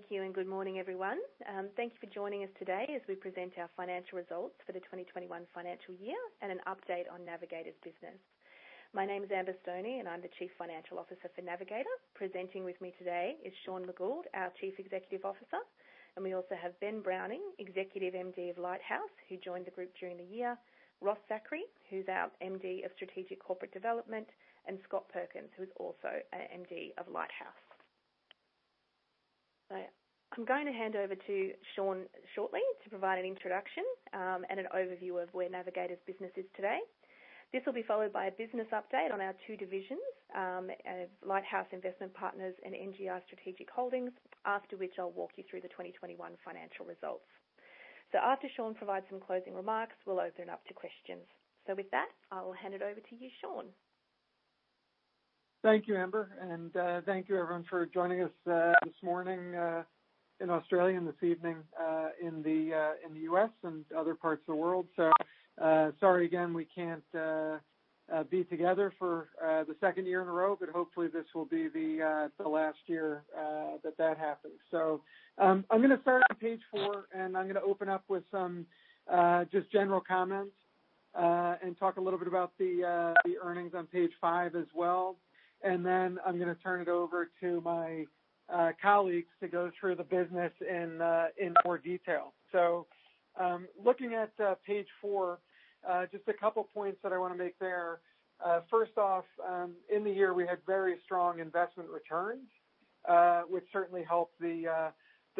Thank you and good morning, everyone. Thank you for joining us today as we present our financial results for the 2021 financial year and an update on Navigator's business. My name is Amber Stoney and I'm the Chief Financial Officer for Navigator. Presenting with me today is Sean McGould, our Chief Executive Officer, and we also have Ben Browning, Executive MD of Lighthouse, who joined the group during the year, Ross Zachary, who's our MD of Strategic Corporate Development, and Scott Perkins, who's also a MD of Lighthouse. I'm going to hand over to Sean shortly to provide an introduction and an overview of where Navigator's business is today. This will be followed by a business update on our two divisions, Lighthouse Investment Partners and NGI Strategic Holdings, after which I'll walk you through the 2021 financial results. After Sean provides some closing remarks, we'll open it up to questions. With that, I will hand it over to you, Sean. Thank you, Amber, and thank you everyone for joining us this morning in Australia and this evening in the U.S. and other parts of the world. Sorry again, we can't be together for the second year in a row, but hopefully this will be the last year that that happens. I'm going to start on page four, and I'm going to open up with some just general comments and talk a little bit about the earnings on page five as well. I'm going to turn it over to my colleagues to go through the business in more detail. Looking at page four, just a couple of points that I want to make there. First off, in the year, we had very strong investment returns, which certainly helped the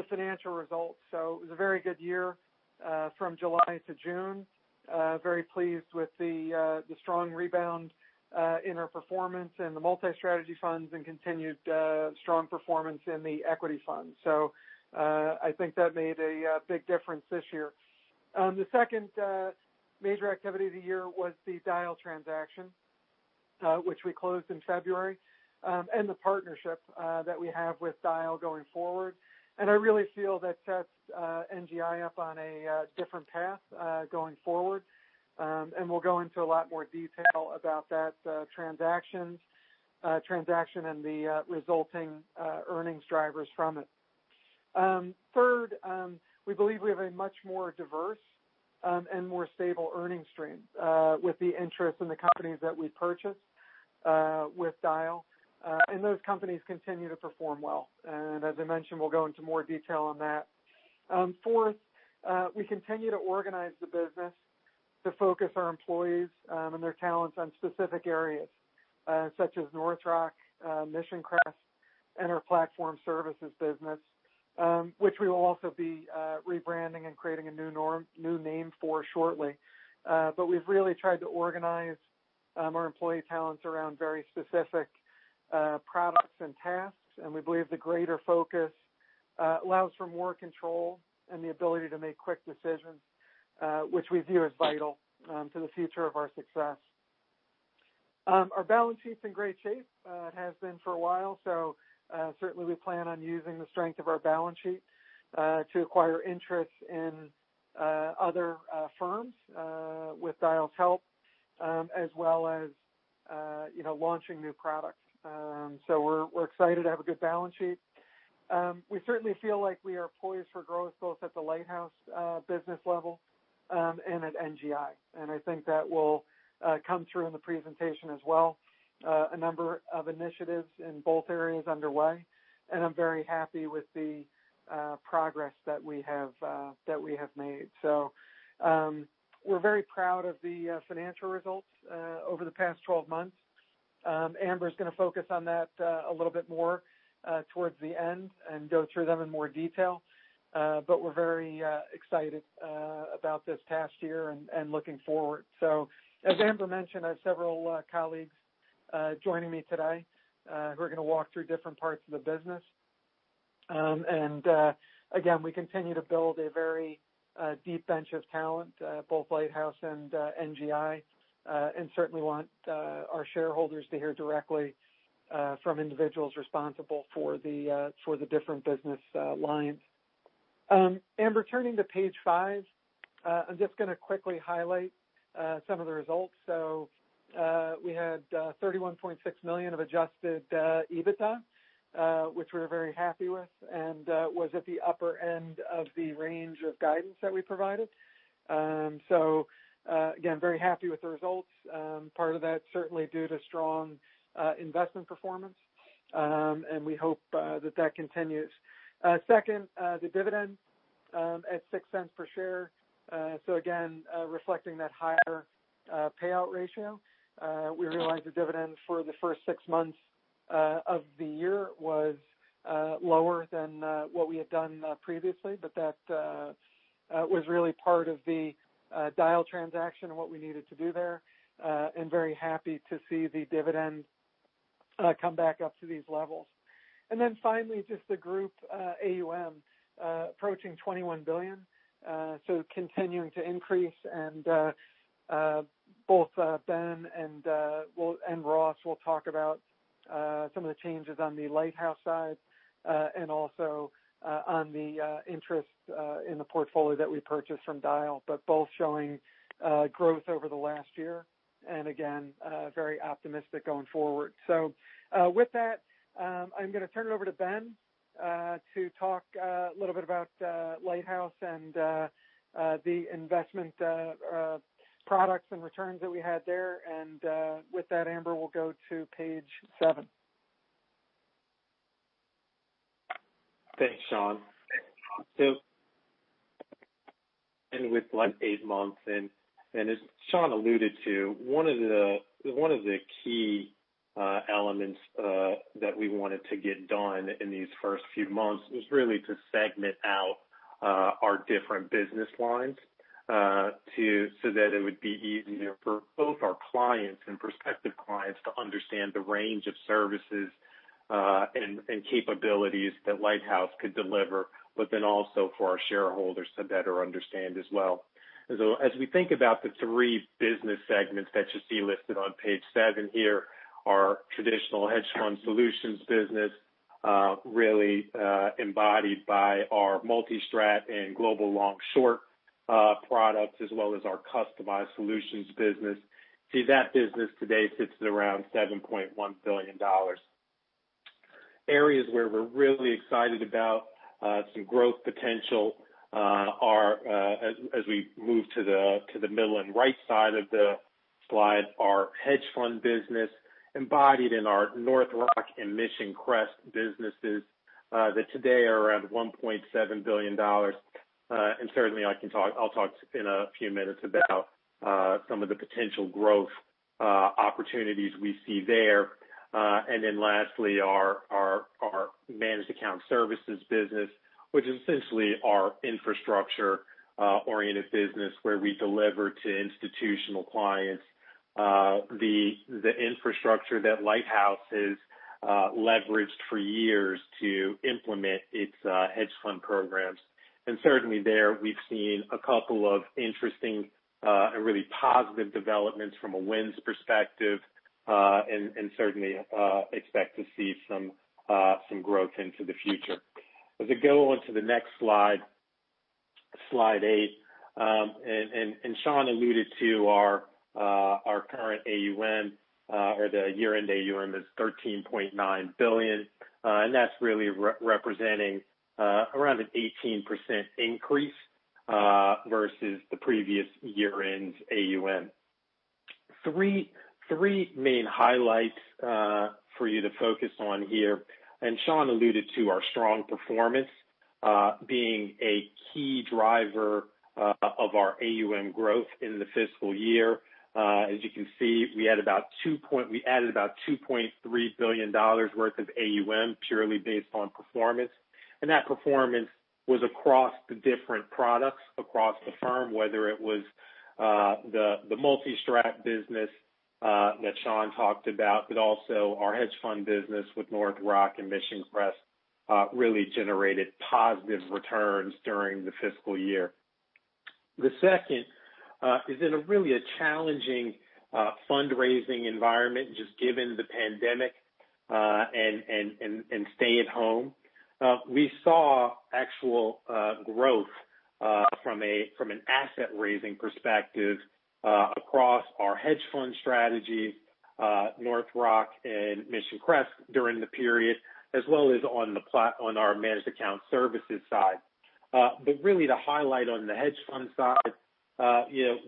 financial results. It was a very good year from July to June. Very pleased with the strong rebound in our performance and the multi-strategy funds and continued strong performance in the equity fund. I think that made a big difference this year. The second major activity of the year was the Dyal transaction, which we closed in February, and the partnership that we have with Dyal going forward. I really feel that sets NGI up on a different path going forward. We'll go into a lot more detail about that transaction and the resulting earnings drivers from it. Third, we believe we have a much more diverse and more stable earnings stream with the interest in the companies that we purchased with Dyal. Those companies continue to perform well. As I mentioned, we'll go into more detail on that. Fourth, we continue to organize the business to focus our employees and their talents on specific areas such as North Rock, Mission Crest, and our platform services business which we will also be rebranding and creating a new name for shortly. We've really tried to organize our employee talents around very specific products and tasks, and we believe the greater focus allows for more control and the ability to make quick decisions, which we view as vital to the future of our success. Our balance sheet's in great shape. It has been for a while, so certainly we plan on using the strength of our balance sheet to acquire interest in other firms with Dyal's help, as well as launching new products. We're excited to have a good balance sheet. We certainly feel like we are poised for growth both at the Lighthouse business level and at NGI. I think that will come through in the presentation as well. A number of initiatives in both areas underway, and I'm very happy with the progress that we have made. We're very proud of the financial results over the past 12 months. Amber is going to focus on that a little bit more towards the end and go through them in more detail. We're very excited about this past year and looking forward. As Amber mentioned, I have several colleagues joining me today who are going to walk through different parts of the business. Again, we continue to build a very deep bench of talent at both Lighthouse and NGI and certainly want our shareholders to hear directly from individuals responsible for the different business lines. Amber, turning to page five, I'm just going to quickly highlight some of the results. We had $31.6 million of adjusted EBITDA, which we're very happy with and was at the upper end of the range of guidance that we provided. Again, very happy with the results. Part of that certainly due to strong investment performance, and we hope that that continues. Second, the dividend at 0.06 per share. Again, reflecting that higher payout ratio. We realize the dividend for the first six months of the year was lower than what we had done previously, but that was really part of the Dyal transaction and what we needed to do there. Very happy to see the dividend come back up to these levels. Finally, just the group AUM approaching 21 billion continuing to increase and both Ben and Ross will talk about some of the changes on the Lighthouse side and also on the interest in the portfolio that we purchased from Dyal. Both showing growth over the last year and again, very optimistic going forward. With that, I'm going to turn it over to Ben to talk a little bit about Lighthouse and the investment products and returns that we had there. With that, Amber, we'll go to page seven. Thanks, Sean. With eight months in, as Sean alluded to, one of the key elements that we wanted to get done in these first few months was really to segment out our different business lines so that it would be easier for both our clients and prospective clients to understand the range of services and capabilities that Lighthouse could deliver, also for our shareholders to better understand as well. As we think about the three business segments that you see listed on page seven here, our traditional hedge fund solutions business really embodied by our multi-strat and global long-short products, as well as our customized solutions business. That business today sits at around 7.1 billion dollars. Areas where we're really excited about some growth potential are, as we move to the middle and right side of the slide, our hedge fund business embodied in our North Rock and Mission Crest businesses that today are around 1.7 billion dollars. Certainly I'll talk in a few minutes about some of the potential growth opportunities we see there. Lastly, our managed account services business, which is essentially our infrastructure-oriented business, where we deliver to institutional clients the infrastructure that Lighthouse has leveraged for years to implement its hedge fund programs. Certainly there, we've seen a couple of interesting and really positive developments from a wins perspective, and certainly expect to see some growth into the future. As I go on to the next slide, slide eight, Sean alluded to our current AUM, or the year-end AUM is 13.9 billion. That's really representing around an 18% increase versus the previous year-end AUM. Three main highlights for you to focus on here. Sean alluded to our strong performance being a key driver of our AUM growth in the fiscal year. As you can see, we added about 2.3 billion dollars worth of AUM purely based on performance. That performance was across the different products across the firm, whether it was the multi-strategy business that Sean talked about, but also our hedge fund business with North Rock and Mission Crest really generated positive returns during the fiscal year. The second is in really a challenging fundraising environment, just given the pandemic, and stay at home. We saw actual growth from an asset-raising perspective across our hedge fund strategies, North Rock and Mission Crest during the period as well as on our managed account services side. Really the highlight on the hedge fund side,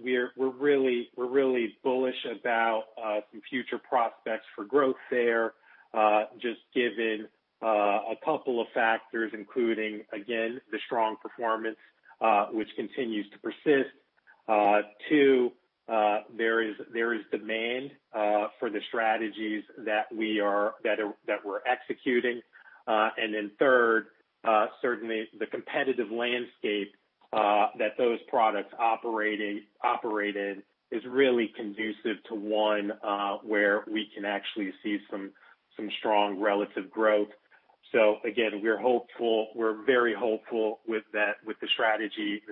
we're really bullish about some future prospects for growth there, just given a couple of factors, including, again, the strong performance, which continues to persist. Two, there is demand for the strategies that we're executing. Third, certainly the competitive landscape that those products operated is really conducive to one where we can actually see some strong relative growth. Again, we're very hopeful with the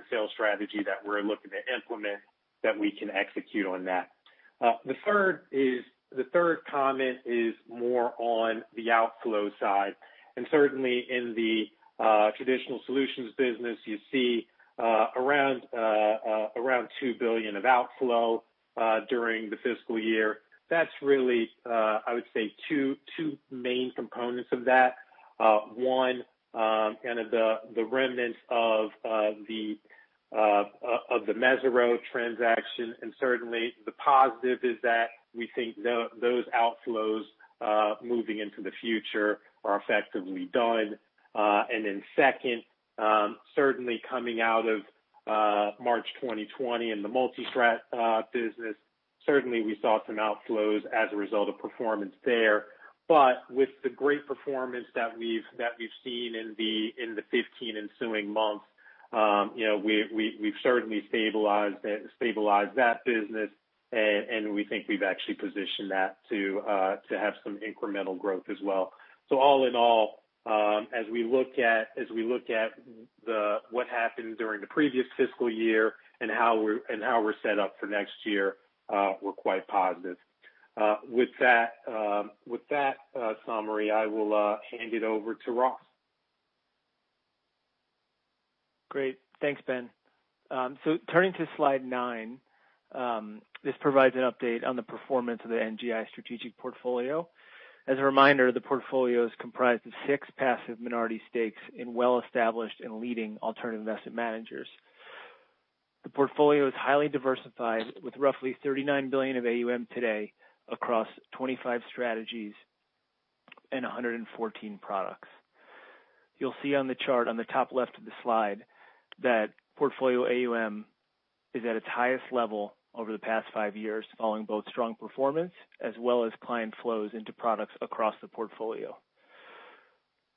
sales strategy that we're looking to implement, that we can execute on that. The third comment is more on the outflow side. Certainly in the traditional solutions business, you see around 2 billion of outflow during the fiscal year. That's really two main components of that. One, the remnants of the Mesirow transaction, and certainly the positive is that we think those outflows, moving into the future are effectively done. Second, certainly coming out of March 2020 in the multi-strat business, certainly we saw some outflows as a result of performance there. With the great performance that we've seen in the 15 ensuing months, we've certainly stabilized that business, and we think we've actually positioned that to have some incremental growth as well. All in all, as we look at what happened during the previous fiscal year and how we're set up for next year, we're quite positive. With that summary, I will hand it over to Ross. Great. Thanks, Ben. Turning to slide nine, this provides an update on the performance of the NGI Strategic Portfolio. As a reminder, the portfolio is comprised of six passive minority stakes in well-established and leading alternative investment managers. The portfolio is highly diversified with roughly 39 billion of AUM today across 25 strategies and 114 products. You'll see on the chart on the top left of the slide that portfolio AUM is at its highest level over the past five years, following both strong performance as well as client flows into products across the portfolio.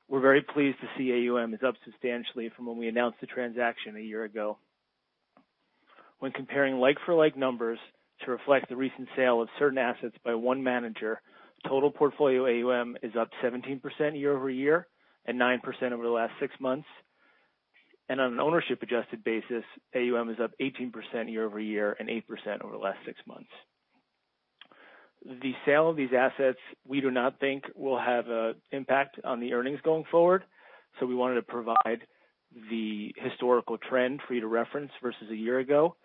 We're very pleased to see AUM is up substantially from when we announced the transaction a year ago. When comparing like-for-like numbers to reflect the recent sale of certain assets by one manager, total portfolio AUM is up 17% year-over-year and 9% over the last six months. On an ownership adjusted basis, AUM is up 18% year-over-year and 8% over the last six months. The sale of these assets, we do not think will have an impact on the earnings going forward, we wanted to provide the historical trend for you to reference versus a year ago.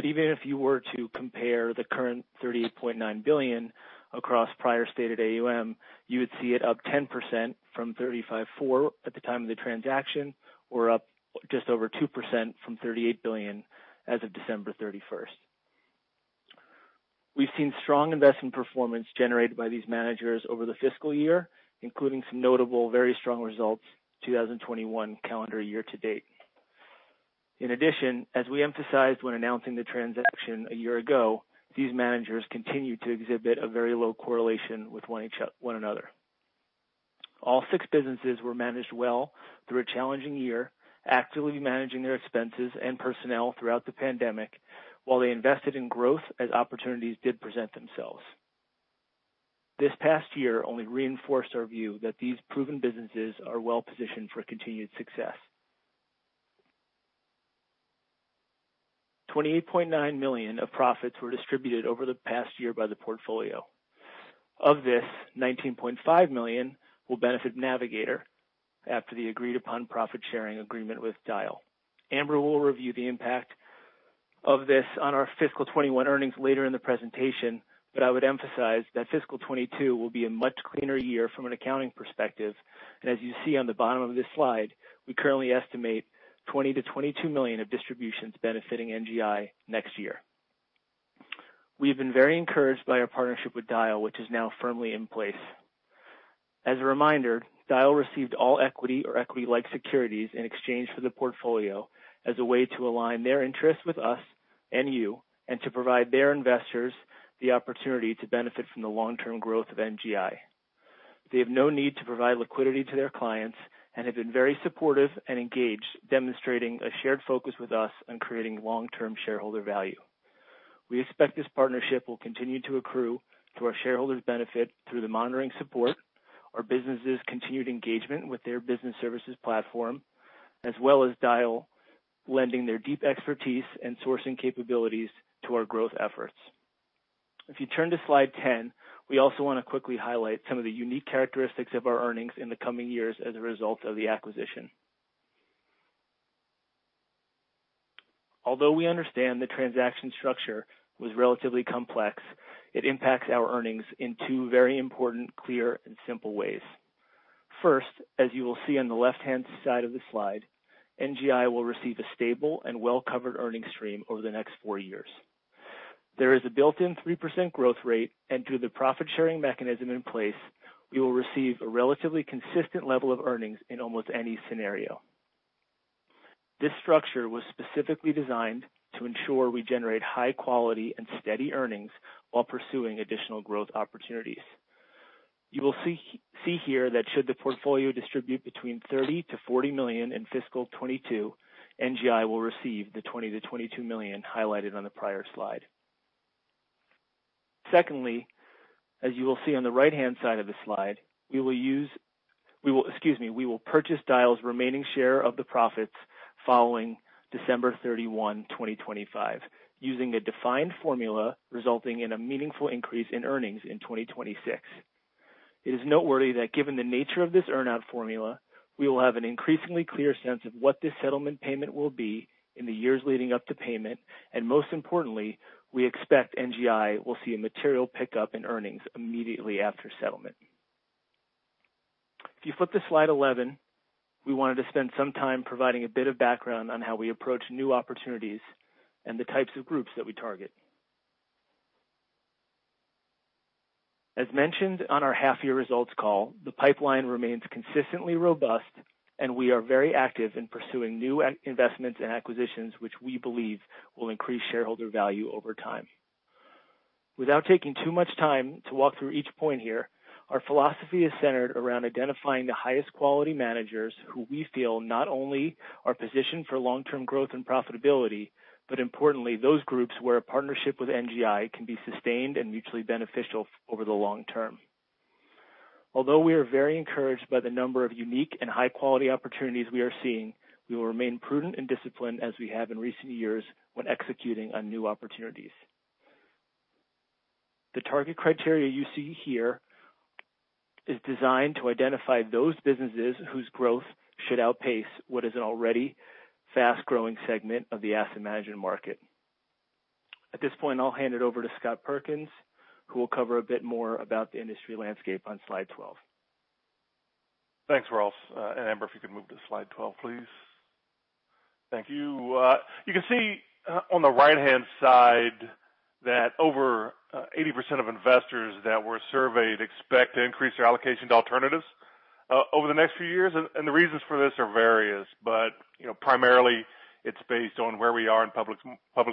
Even if you were to compare the current 38.9 billion across prior stated AUM, you would see it up 10% from 35.4 billion at the time of the transaction or up just over 2% from 38 billion as of December 31st. We've seen strong investment performance generated by these managers over the fiscal year, including some notable, very strong results 2021 calendar year-to-date. In addition, as we emphasized when announcing the transaction a year ago, these managers continue to exhibit a very low correlation with one another. All six businesses were managed well through a challenging year, actively managing their expenses and personnel throughout the pandemic while they invested in growth as opportunities did present themselves. This past year only reinforced our view that these proven businesses are well-positioned for continued success. 28.9 million of profits were distributed over the past year by the portfolio. Of this, 19.5 million will benefit Navigator after the agreed-upon profit-sharing agreement with Dyal. Amber will review the impact of this on our fiscal 2021 earnings later in the presentation, but I would emphasize that fiscal 2022 will be a much cleaner year from an accounting perspective. As you see on the bottom of this slide, we currently estimate 20 million-22 million of distributions benefiting NGI next year. We've been very encouraged by our partnership with Dyal, which is now firmly in place. As a reminder, Dyal received all equity or equity-like securities in exchange for the portfolio as a way to align their interests with us and you, and to provide their investors the opportunity to benefit from the long-term growth of NGI. They have no need to provide liquidity to their clients and have been very supportive and engaged, demonstrating a shared focus with us on creating long-term shareholder value. We expect this partnership will continue to accrue to our shareholders' benefit through the monitoring support, our businesses' continued engagement with their business services platform, as well as Dyal lending their deep expertise and sourcing capabilities to our growth efforts. If you turn to slide 10, we also want to quickly highlight some of the unique characteristics of our earnings in the coming years as a result of the acquisition. Although we understand the transaction structure was relatively complex, it impacts our earnings in two very important, clear, and simple ways. First, as you will see on the left-hand side of the slide, NGI will receive a stable and well-covered earning stream over the next four years. There is a built-in 3% growth rate, and through the profit-sharing mechanism in place, we will receive a relatively consistent level of earnings in almost any scenario. This structure was specifically designed to ensure we generate high quality and steady earnings while pursuing additional growth opportunities. You will see here that should the portfolio distribute between 30 million-40 million in fiscal 2022, NGI will receive the 20 million-22 million highlighted on the prior slide. Secondly, as you will see on the right-hand side of the slide, we will purchase Dyal's remaining share of the profits following December 31, 2025, using a defined formula resulting in a meaningful increase in earnings in 2026. It is noteworthy that given the nature of this earn-out formula, we will have an increasingly clear sense of what this settlement payment will be in the years leading up to payment, and most importantly, we expect NGI will see a material pickup in earnings immediately after settlement. If you flip to slide 11, we wanted to spend some time providing a bit of background on how we approach new opportunities and the types of groups that we target. As mentioned on our half-year results call, the pipeline remains consistently robust, and we are very active in pursuing new investments and acquisitions, which we believe will increase shareholder value over time. Without taking too much time to walk through each point here, our philosophy is centered around identifying the highest quality managers who we feel not only are positioned for long-term growth and profitability, but importantly, those groups where a partnership with NGI can be sustained and mutually beneficial over the long-term. Although we are very encouraged by the number of unique and high-quality opportunities we are seeing, we will remain prudent and disciplined as we have in recent years when executing on new opportunities. The target criteria you see here is designed to identify those businesses whose growth should outpace what is an already fast-growing segment of the asset management market. At this point, I'll hand it over to Scott Perkins, who will cover a bit more about the industry landscape on slide 12. Thanks, Ross. Amber, if you could move to slide 12, please. Thank you. You can see on the right-hand side that over 80% of investors that were surveyed expect to increase their allocation to alternatives over the next few years. The reasons for this are various, but primarily it's based on where we are in public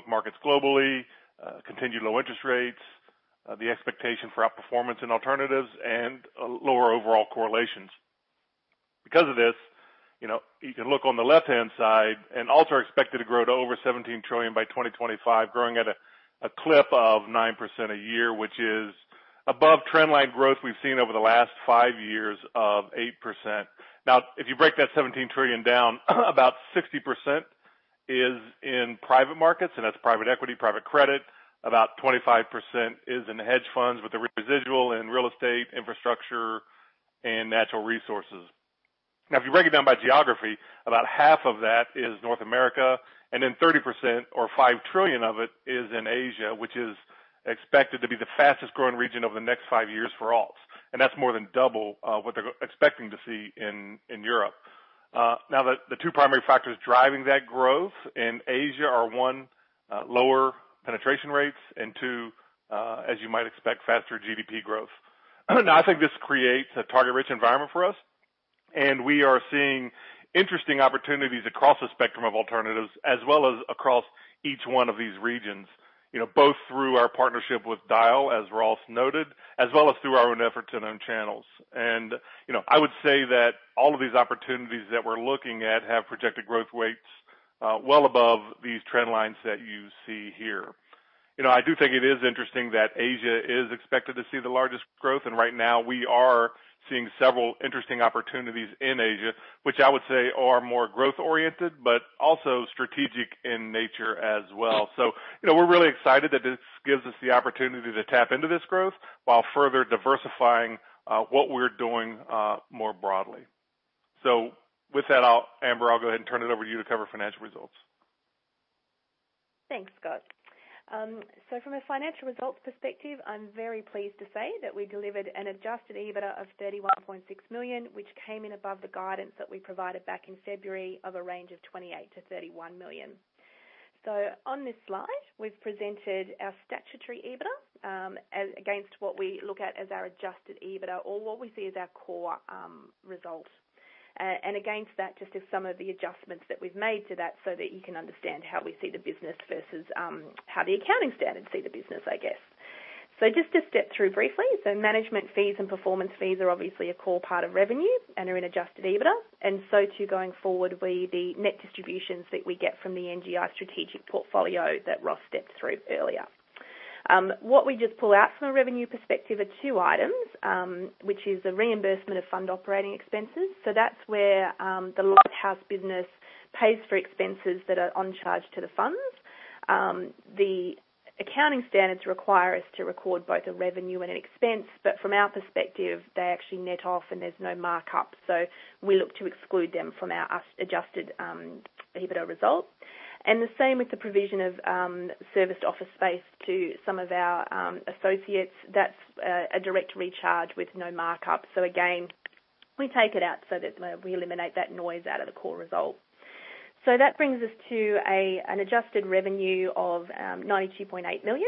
markets globally, continued low interest rates, the expectation for outperformance in alternatives, and lower overall correlations. Because of this, you can look on the left-hand side, and alts are expected to grow to over $17 trillion by 2025, growing at a clip of 9% a year, which is above trend line growth we've seen over the last five years of 8%. Now, if you break that $17 trillion down, about 60% is in private markets, and that's private equity, private credit. About 25% is in hedge funds, with the residual in real estate, infrastructure, and natural resources. If you break it down by geography, about half of that is North America, then 30% or 5 trillion of it is in Asia, which is expected to be the fastest-growing region over the next five years for alts. That's more than double what they're expecting to see in Europe. The two primary factors driving that growth in Asia are, one, lower penetration rates, and two, as you might expect, faster GDP growth. I think this creates a target-rich environment for us, and we are seeing interesting opportunities across the spectrum of alternatives, as well as across each one of these regions, both through our partnership with Dyal, as Ross noted, as well as through our own efforts and own channels. I would say that all of these opportunities that we're looking at have projected growth rates well above these trend lines that you see here. I do think it is interesting that Asia is expected to see the largest growth. Right now, we are seeing several interesting opportunities in Asia, which I would say are more growth-oriented, but also strategic in nature as well. We're really excited that this gives us the opportunity to tap into this growth while further diversifying what we're doing more broadly. With that, Amber, I'll go ahead and turn it over to you to cover financial results. Thanks, Scott. From a financial results perspective, I'm very pleased to say that we delivered an adjusted EBITDA of $31.6 million, which came in above the guidance that we provided back in February of a range of $28 million-$31 million. On this slide, we've presented our statutory EBITDA against what we look at as our adjusted EBITDA, or what we see as our core result. Against that, just as some of the adjustments that we've made to that so that you can understand how we see the business versus how the accounting standards see the business, I guess. Just to step through briefly, management fees and performance fees are obviously a core part of revenue and are in adjusted EBITDA. Too, going forward will be the net distributions that we get from the NGI Strategic Portfolio that Ross stepped through earlier. We just pull out from a revenue perspective are two items, which is the reimbursement of fund operating expenses. That's where the Lighthouse business pays for expenses that are on-charged to the funds. The accounting standards require us to record both a revenue and an expense, but from our perspective, they actually net off and there's no markup. We look to exclude them from our adjusted EBITDA results. The same with the provision of serviced office space to some of our associates. That's a direct recharge with no markup. Again, we take it out so that we eliminate that noise out of the core result. That brings us to an adjusted revenue of 92.8 million.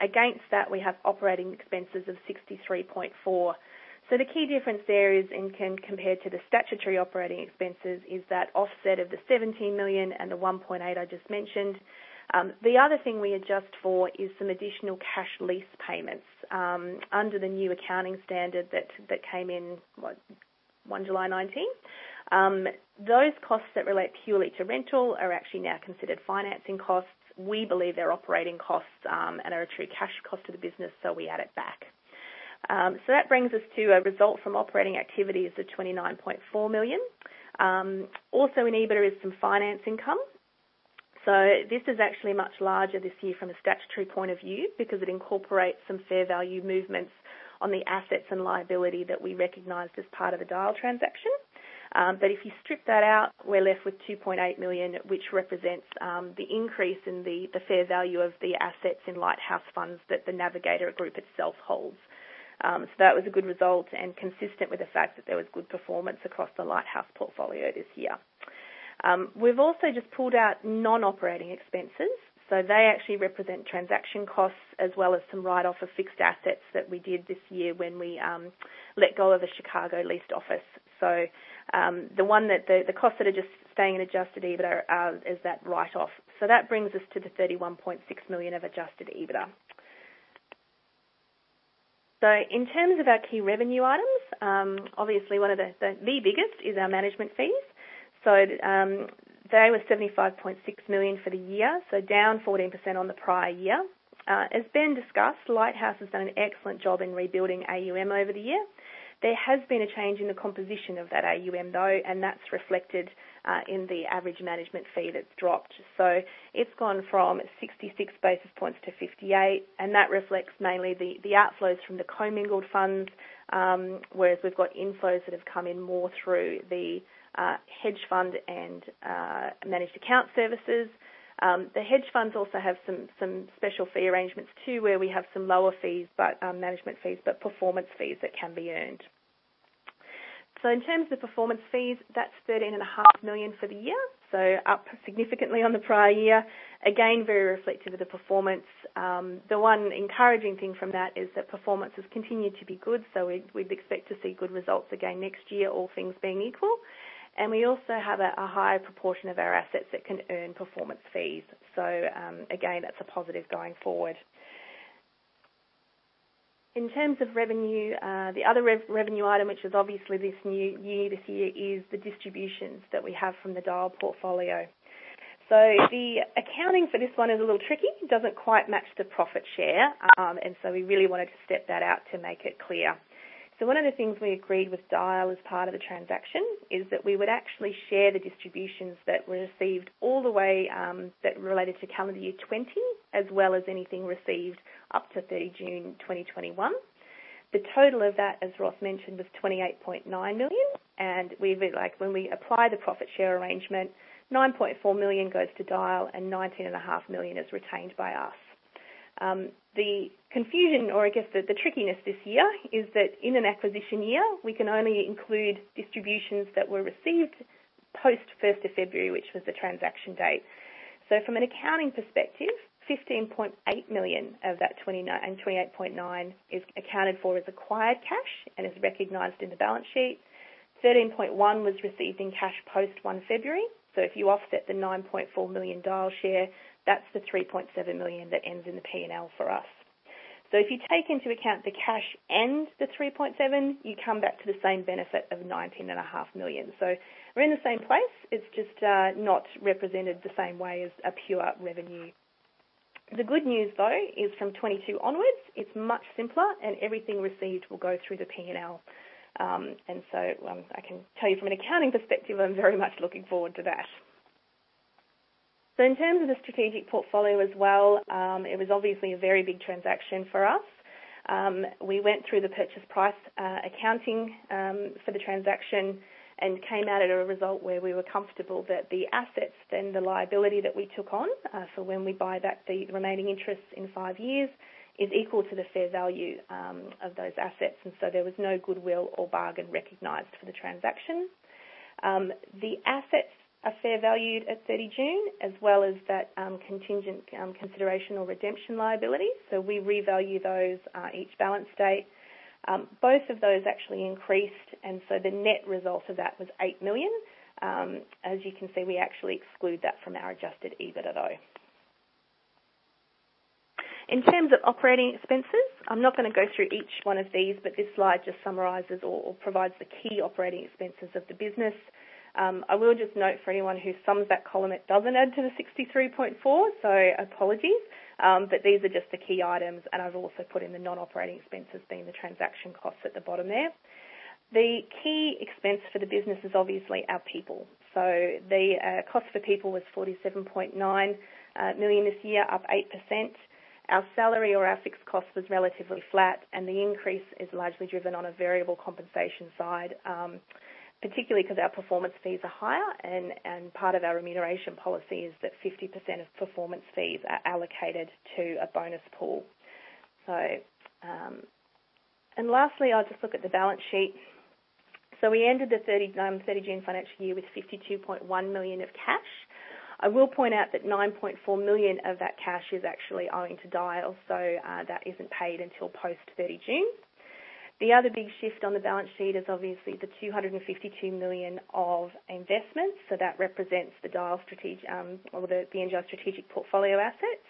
Against that, we have operating expenses of 63.4 million. The key difference there compared to the statutory operating expenses is that offset of the 17 million and the 1.8 million I just mentioned. The other thing we adjust for is some additional cash lease payments under the new accounting standard that came in, what, on 1 July 2019? Those costs that relate purely to rental are actually now considered financing costs. We believe they're operating costs and are a true cash cost to the business, so we add it back. That brings us to a result from operating activities of 29.4 million. Also in EBITDA is some finance income. This is actually much larger this year from a statutory point of view because it incorporates some fair value movements on the assets and liability that we recognized as part of the Dyal transaction. If you strip that out, we're left with 2.8 million, which represents the increase in the fair value of the assets in Lighthouse funds that the Navigator group itself holds. That was a good result and consistent with the fact that there was good performance across the Lighthouse portfolio this year. We've also just pulled out non-operating expenses. They actually represent transaction costs as well as some write-off of fixed assets that we did this year when we let go of the Chicago leased office. The costs that are just staying in adjusted EBITDA is that write-off. That brings us to the $31.6 million of adjusted EBITDA. In terms of our key revenue items, obviously the biggest is our management fees. They were 75.6 million for the year, so down 14% on the prior year. As Ben discussed, Lighthouse has done an excellent job in rebuilding AUM over the year. There has been a change in the composition of that AUM, though, and that's reflected in the average management fee that's dropped. It's gone from 66 basis points to 58, and that reflects mainly the outflows from the commingled funds, whereas we've got inflows that have come in more through the hedge fund and managed account services. The hedge funds also have some special fee arrangements, too, where we have some lower management fees, but performance fees that can be earned. In terms of performance fees, that's 13.5 million for the year, up significantly on the prior year, again, very reflective of the performance. The one encouraging thing from that is that performance has continued to be good, so we'd expect to see good results again next year, all things being equal. We also have a higher proportion of our assets that can earn performance fees. Again, that's a positive going forward. In terms of revenue, the other revenue item, which is obviously this new year, this year, is the distributions that we have from the Dyal portfolio. The accounting for this one is a little tricky. It doesn't quite match the profit share. We really wanted to step that out to make it clear. One of the things we agreed with Dyal as part of the transaction is that we would actually share the distributions that were received all the way that related to calendar year 2020, as well as anything received up to 30 June 2021. The total of that, as Ross mentioned, was 28.9 million. When we apply the profit share arrangement, 9.4 million goes to Dyal and 19.5 million is retained by us. The confusion or I guess the trickiness this year is that in an acquisition year, we can only include distributions that were received post 1st of February, which was the transaction date. From an accounting perspective, 15.8 million of that 28.9 million is accounted for as acquired cash and is recognized in the balance sheet. 13.1 million was received in cash post 1 February. If you offset the 9.4 million Dyal share, that's the 3.7 million that ends in the P&L for us. If you take into account the cash and the 3.7 million, you come back to the same benefit of 19.5 million. We're in the same place, it's just not represented the same way as a pure revenue. The good news, though, is from 2022 onwards, it's much simpler and everything received will go through the P&L. I can tell you from an accounting perspective, I'm very much looking forward to that. In terms of the strategic portfolio as well, it was obviously a very big transaction for us. We went through the purchase price accounting for the transaction and came out at a result where we were comfortable that the assets and the liability that we took on for when we buy back the remaining interest in five years is equal to the fair value of those assets, and so there was no goodwill or bargain recognized for the transaction. The assets are fair valued at 30 June, as well as that contingent consideration or redemption liability. We revalue those each balance date. Both of those actually increased, and so the net result of that was 8 million. As you can see, we actually exclude that from our adjusted EBITDA, though. In terms of operating expenses, I'm not going to go through each one of these, but this slide just summarizes or provides the key operating expenses of the business. I will just note for anyone who sums that column, it doesn't add to the 63.4 million. Apologies. These are just the key items, and I've also put in the non-operating expenses, being the transaction costs at the bottom there. The key expense for the business is obviously our people. The cost for people was 47.9 million this year, up 8%. Our salary or our fixed cost was relatively flat, the increase is largely driven on a variable compensation side, particularly because our performance fees are higher and part of our remuneration policy is that 50% of performance fees are allocated to a bonus pool. Lastly, I'll just look at the balance sheet. We ended the 30 June financial year with 52.1 million of cash. I will point out that 9.4 million of that cash is actually owing to Dyal, that isn't paid until post 30 June. The other big shift on the balance sheet is obviously the 252 million of investments. That represents the NGI Strategic Portfolio assets.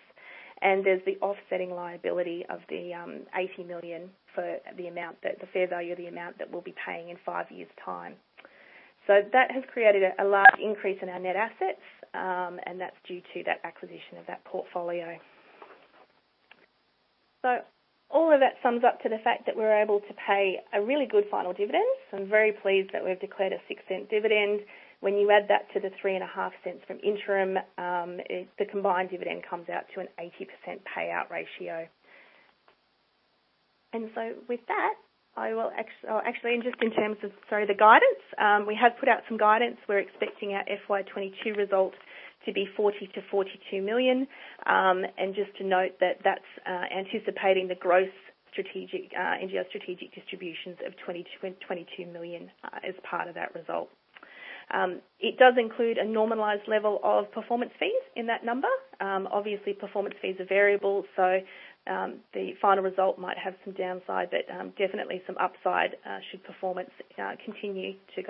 There's the offsetting liability of the 80 million for the fair value of the amount that we'll be paying in five years' time. That has created a large increase in our net assets, and that's due to that acquisition of that portfolio. All of that sums up to the fact that we're able to pay a really good final dividend. I'm very pleased that we've declared an 0.06 dividend. When you add that to the 0.035 from interim, the combined dividend comes out to an 80% payout ratio. With that, actually, and just in terms of, sorry, the guidance. We have put out some guidance. We're expecting our FY 2022 results to be 40 million-42 million. Just to note that that's anticipating the growth NGI Strategic distributions of 22 million as part of that result. It does include a normalized level of performance fees in that number. Obviously, performance fees are variable, so the final result might have some downside, but definitely some upside should performance continue to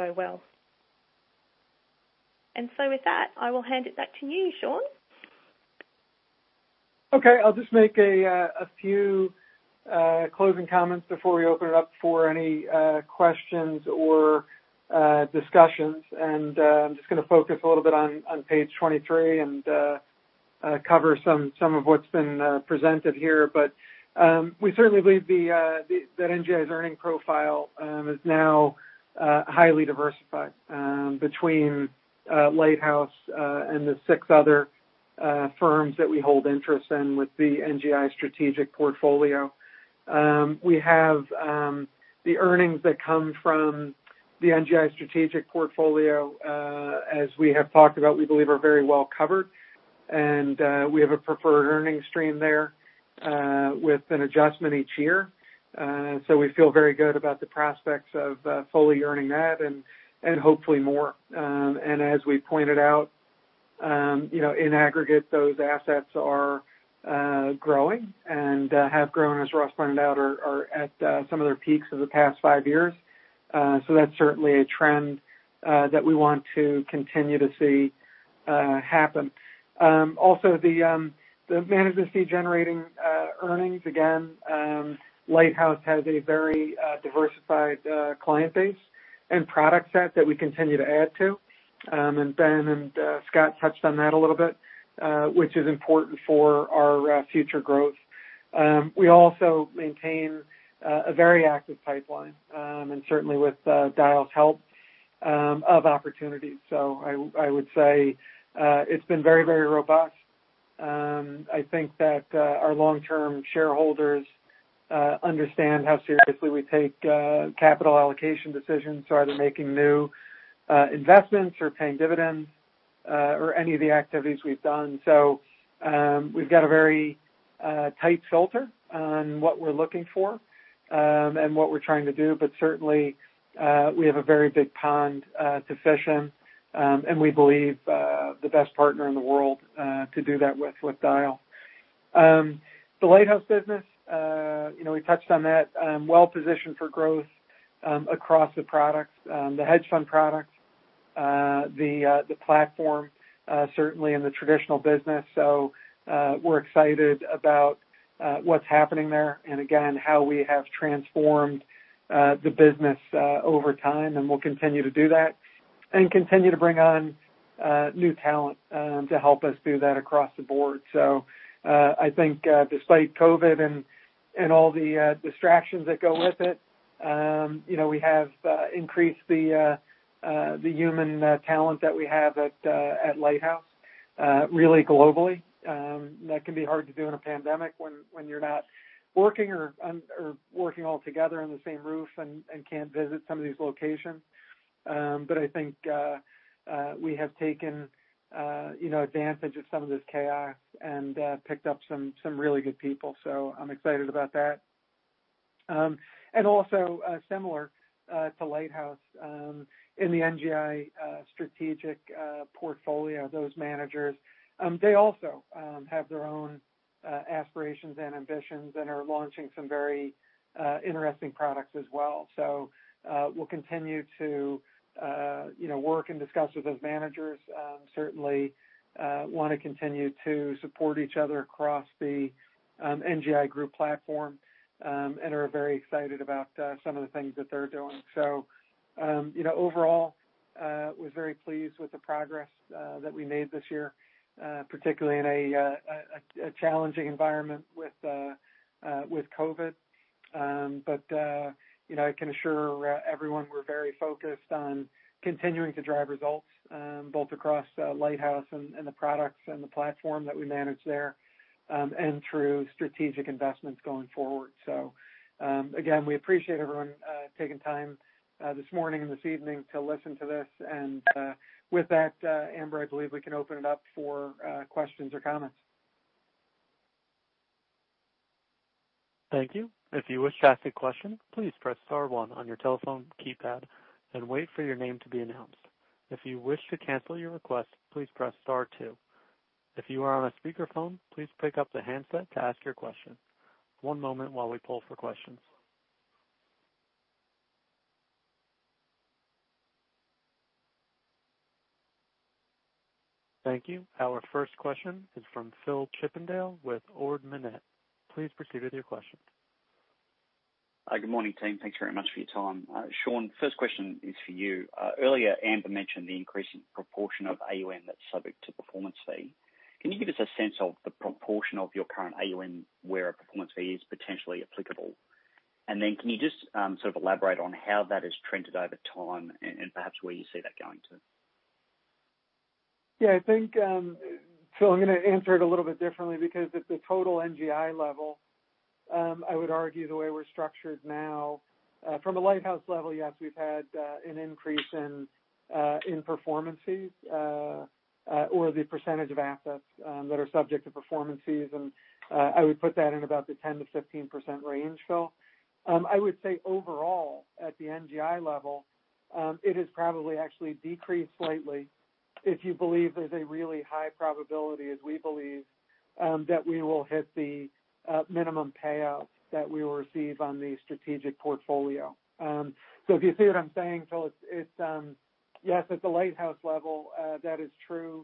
go well. With that, I will hand it back to you, Sean. Okay, I'll just make a few closing comments before we open it up for any questions or discussions. I'm just going to focus a little bit on page 23 and cover some of what's been presented here. We certainly believe that NGI's earning profile is now highly diversified between Lighthouse and the six other firms that we hold interest in with the NGI Strategic Portfolio. We have the earnings that come from the NGI Strategic Portfolio, as we have talked about, we believe are very well-covered, and we have a preferred earnings stream there with an adjustment each year. We feel very good about the prospects of fully earning that and hopefully more. As we pointed out, in aggregate, those assets are growing and have grown, as Ross pointed out, are at some of their peaks of the past five years. That's certainly a trend that we want to continue to see happen. Also, the management fee generating earnings, again, Lighthouse has a very diversified client base and product set that we continue to add to. Ben and Scott touched on that a little bit, which is important for our future growth. We also maintain a very active pipeline, and certainly with Dyal's help of opportunities. I would say it's been very, very robust. I think that our long-term shareholders understand how seriously we take capital allocation decisions to either making new investments or paying dividends, or any of the activities we've done. We've got a very tight filter on what we're looking for, and what we're trying to do. Certainly, we have a very big pond to fish in, and we believe, the best partner in the world to do that with Dyal. The Lighthouse business, we touched on that. Well-positioned for growth across the products. The hedge fund products, the platform, certainly in the traditional business. We're excited about what's happening there and again, how we have transformed the business over time, and we'll continue to do that and continue to bring on new talent to help us do that across the board. I think despite COVID and all the distractions that go with it, we have increased the human talent that we have at Lighthouse really globally. That can be hard to do in a pandemic when you're not working or working all together in the same roof and can't visit some of these locations. I think we have taken advantage of some of this chaos and picked up some really good people. I'm excited about that. Also similar to Lighthouse, in the NGI Strategic Portfolio, those managers, they also have their own aspirations and ambitions and are launching some very interesting products as well. We'll continue to work and discuss with those managers, certainly want to continue to support each other across the NGI Group platform, and are very excited about some of the things that they're doing. Overall, was very pleased with the progress that we made this year, particularly in a challenging environment with COVID. I can assure everyone we're very focused on continuing to drive results both across Lighthouse and the products and the platform that we manage there, and through strategic investments going forward. Again, we appreciate everyone taking time this morning and this evening to listen to this. With that, Amber, I believe we can open it up for questions or comments. Thank you. If you wish to ask a question, please press star one on your telephone keypad and wait for your name to be announced. If you wish to cancel your request, please press star two. If you are on a speakerphone, please pick up the handset to ask your question. One moment while we pull for questions. Thank you. Our first question is from Phil Chippendale with Ord Minnett. Please proceed with your question. Good morning, team. Thanks very much for your time. Sean, first question is for you. Earlier, Amber mentioned the increasing proportion of AUM that's subject to performance fee. Can you give us a sense of the proportion of your current AUM where a performance fee is potentially applicable? Then can you just sort of elaborate on how that has trended over time and perhaps where you see that going to? I think, Phil, I’m going to answer it a little bit differently because at the total NGI level, I would argue the way we’re structured now. From a Lighthouse level, yes, we’ve had an increase in performance fees, or the percentage of assets that are subject to performance fees. I would put that in about the 10%-15% range, Phil. I would say overall at the NGI level, it has probably actually decreased slightly if you believe there’s a really high probability, as we believe, that we will hit the minimum payout that we will receive on the strategic portfolio. If you see what I’m saying, Phil, yes, at the Lighthouse level, that is true.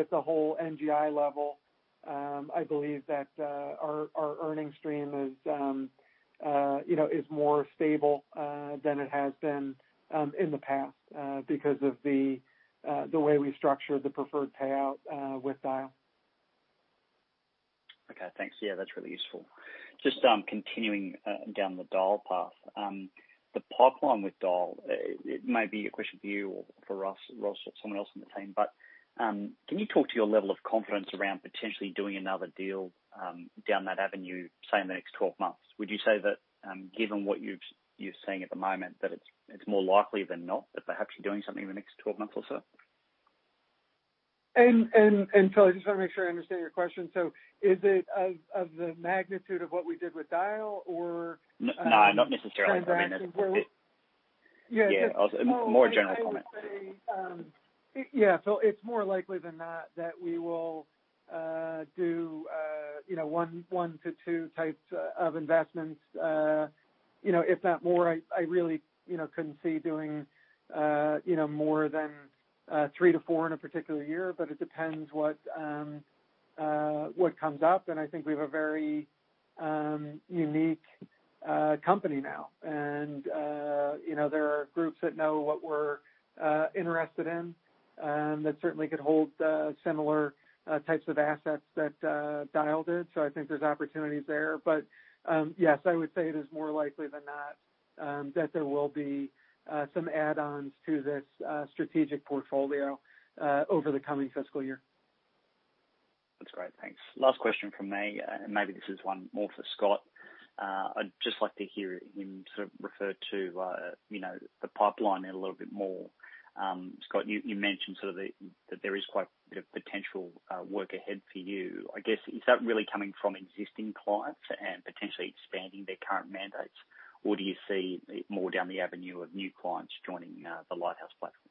At the whole NGI level, I believe that our earning stream is more stable than it has been in the past because of the way we structured the preferred payout with Dyal. Okay, thanks. Yeah, that's really useful. Just continuing down the Dyal path. The pipeline with Dyal, it may be a question for you or for Ross or someone else on the team, can you talk to your level of confidence around potentially doing another deal down that avenue, say, in the next 12 months? Would you say that given what you're seeing at the moment, that it's more likely than not that perhaps you're doing something in the next 12 months or so? Phil, I just want to make sure I understand your question. Is it of the magnitude of what we did with Dyal or? No, not necessarily. transaction? Yeah. A more general comment. I would say. Yeah, it's more likely than not that we will do one to two types of investments, if not more. I really couldn't see doing more than three to four in a particular year, but it depends what comes up. I think we have a very unique company now. There are groups that know what we're interested in, that certainly could hold similar types of assets that Dyal did. I think there's opportunities there. Yes, I would say it is more likely than not that there will be some add-ons to this Strategic Portfolio over the coming fiscal year. That's great. Thanks. Last question from me, and maybe this is one more for Scott. I'd just like to hear him sort of refer to the pipeline a little bit more. Scott, you mentioned sort of that there is quite a bit of potential work ahead for you. I guess, is that really coming from existing clients and potentially expanding their current mandates? Do you see it more down the avenue of new clients joining the Lighthouse platform?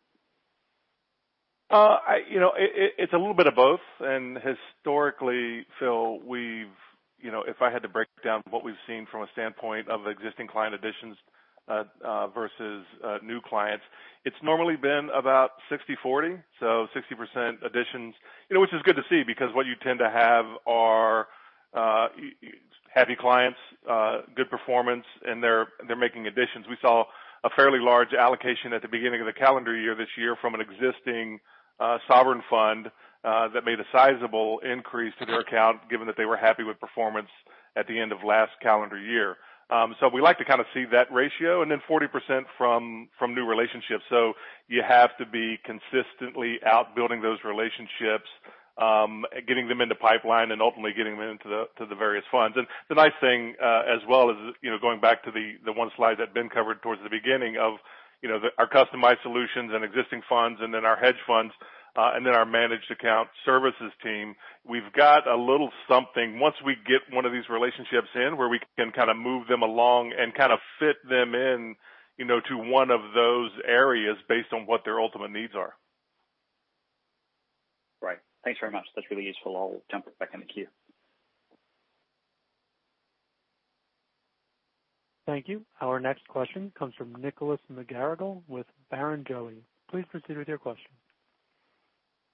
It's a little bit of both. Historically, Phil, if I had to break down what we've seen from a standpoint of existing client additions versus new clients, it's normally been about 60/40. 60% additions, which is good to see because what you tend to have are happy clients, good performance, and they're making additions. We saw a fairly large allocation at the beginning of the calendar year this year from an existing sovereign fund that made a sizable increase to their account, given that they were happy with performance at the end of last calendar year. We like to kind of see that ratio, and then 40% from new relationships. You have to be consistently out building those relationships, getting them into pipeline, and ultimately getting them into the various funds. The nice thing, as well as going back to the one slide that Ben covered towards the beginning of our customized solutions and existing funds, and then our hedge funds, and then our managed account services team. We've got a little something once we get one of these relationships in where we can kind of move them along and kind of fit them in to one of those areas based on what their ultimate needs are. Right. Thanks very much. That's really useful. I'll jump back in the queue. Thank you. Our next question comes from Nicholas McGarrigle with Barrenjoey. Please proceed with your question.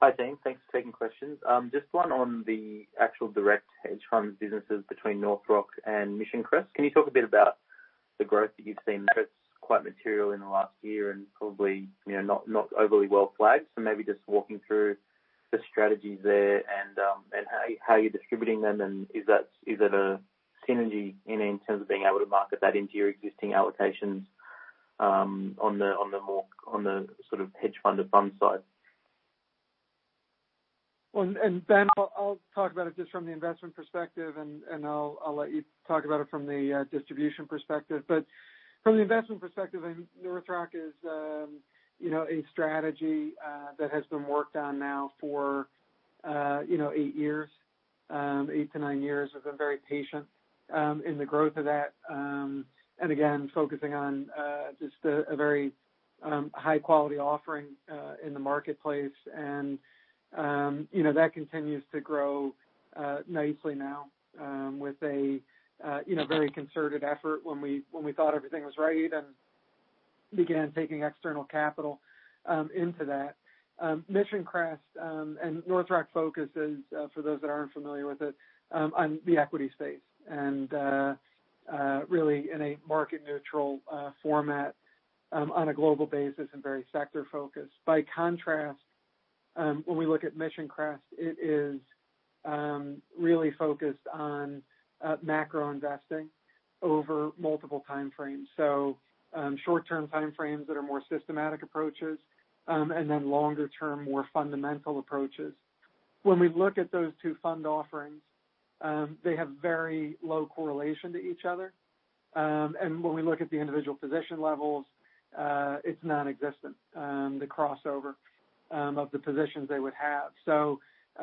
Hi, team. Thanks for taking questions. Just one on the actual direct hedge funds businesses between North Rock and Mission Crest. Can you talk a bit about the growth that you've seen that it's quite material in the last year and probably not overly well flagged? Maybe just walking through the strategies there and how you're distributing them, and is it a synergy in terms of being able to market that into your existing allocations on the sort of hedge fund of fund side? Ben, I'll talk about it just from the investment perspective, and I'll let you talk about it from the distribution perspective. From the investment perspective, I think North Rock is a strategy that has been worked on now for eight years. Eight to nine years. We've been very patient in the growth of that. Again, focusing on just a very high-quality offering in the marketplace. That continues to grow nicely now, with a very concerted effort when we thought everything was right and began taking external capital into that. Mission Crest, and North Rock focus is, for those that aren't familiar with it, on the equity space, and really in a market neutral format on a global basis and very sector-focused. By contrast, when we look at Mission Crest, it is really focused on macro investing over multiple timeframes. Short-term timeframes that are more systematic approaches, then longer-term, more fundamental approaches. When we look at those two fund offerings, they have very low correlation to each other. When we look at the individual position levels, it's nonexistent, the crossover of the positions they would have.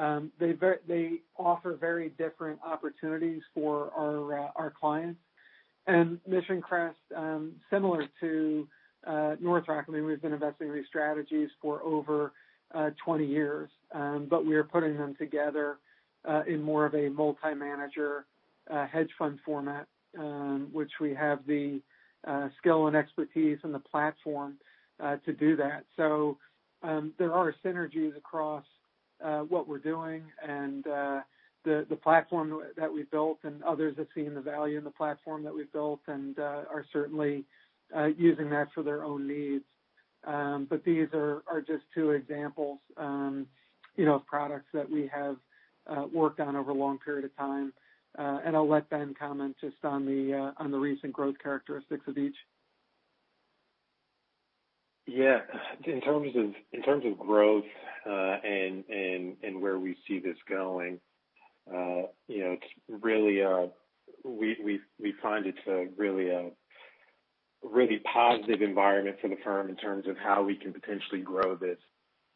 They offer very different opportunities for our clients. Mission Crest, similar to North Rock, I mean, we've been investing these strategies for over 20 years. We are putting them together in more of a multi-manager hedge fund format, which we have the skill and expertise and the platform to do that. There are synergies across what we're doing, and the platform that we built, and others have seen the value in the platform that we've built, and are certainly using that for their own needs. These are just two examples of products that we have worked on over a long period of time. I'll let Ben comment just on the recent growth characteristics of each. Yeah. In terms of growth, and where we see this going, we find it's a really positive environment for the firm in terms of how we can potentially grow this.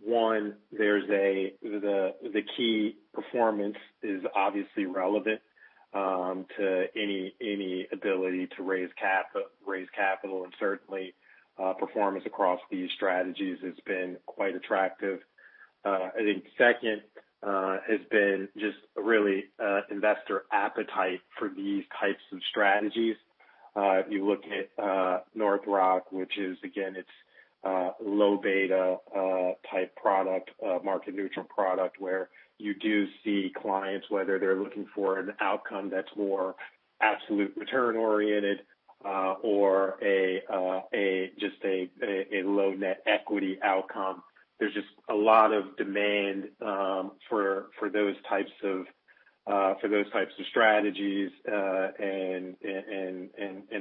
One, the key performance is obviously relevant to any ability to raise capital, and certainly performance across these strategies has been quite attractive. I think second, has been just really investor appetite for these types of strategies. If you look at North Rock, which is, again, it's low beta type product, market neutral product, where you do see clients, whether they're looking for an outcome that's more absolute return-oriented, or just a low net equity outcome. There's just a lot of demand for those types of strategies, and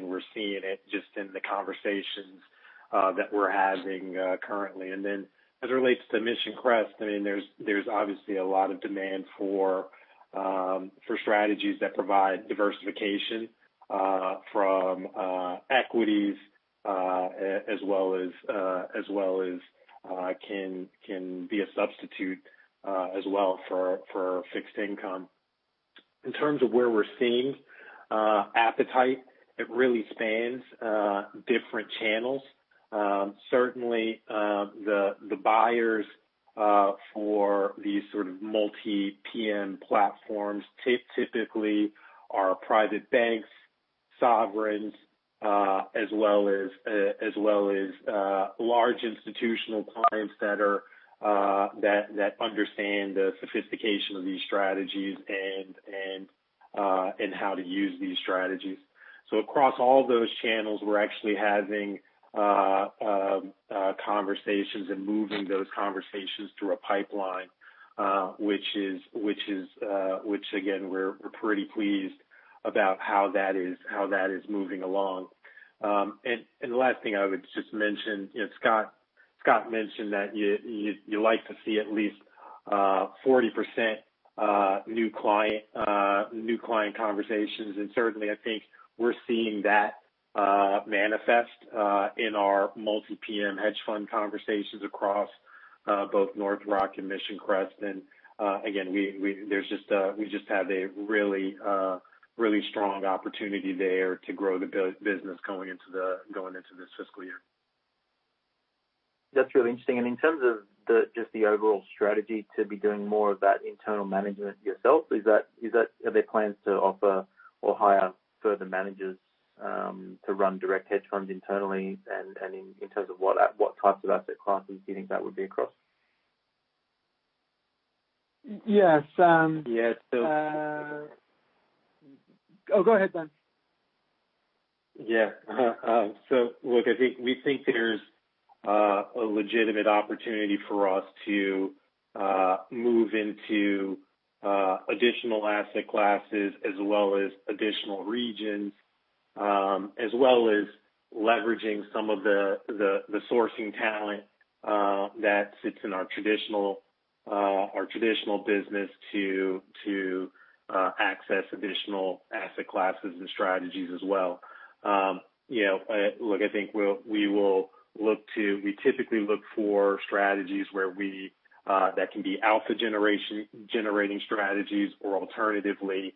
we're seeing it just in the conversations that we're having currently. As it relates to Mission Crest, there's obviously a lot of demand for strategies that provide diversification from equities, as well as can be a substitute as well for fixed income. In terms of where we're seeing appetite, it really spans different channels. Certainly, the buyers for these sort of multi-PM platforms typically are private banks, sovereigns, as well as large institutional clients that understand the sophistication of these strategies, and how to use these strategies. Across all those channels, we're actually having conversations and moving those conversations through a pipeline, which again, we're pretty pleased about how that is moving along. The last thing I would just mention, Scott mentioned that you like to see at least 40% new client conversations, and certainly, I think we're seeing that manifest in our multi-PM hedge fund conversations across both North Rock and Mission Crest. Again, we just have a really strong opportunity there to grow the business going into this fiscal year. That's really interesting. In terms of just the overall strategy to be doing more of that internal management yourself, are there plans to offer or hire further managers to run direct hedge funds internally? In terms of what types of asset classes do you think that would be across? Yes. Oh, go ahead, Ben. Yeah. Look, we think there's a legitimate opportunity for us to move into additional asset classes as well as additional regions, as well as leveraging some of the sourcing talent that sits in our traditional business to access additional asset classes and strategies as well. Look, I think we typically look for strategies that can be alpha-generating strategies or alternatively,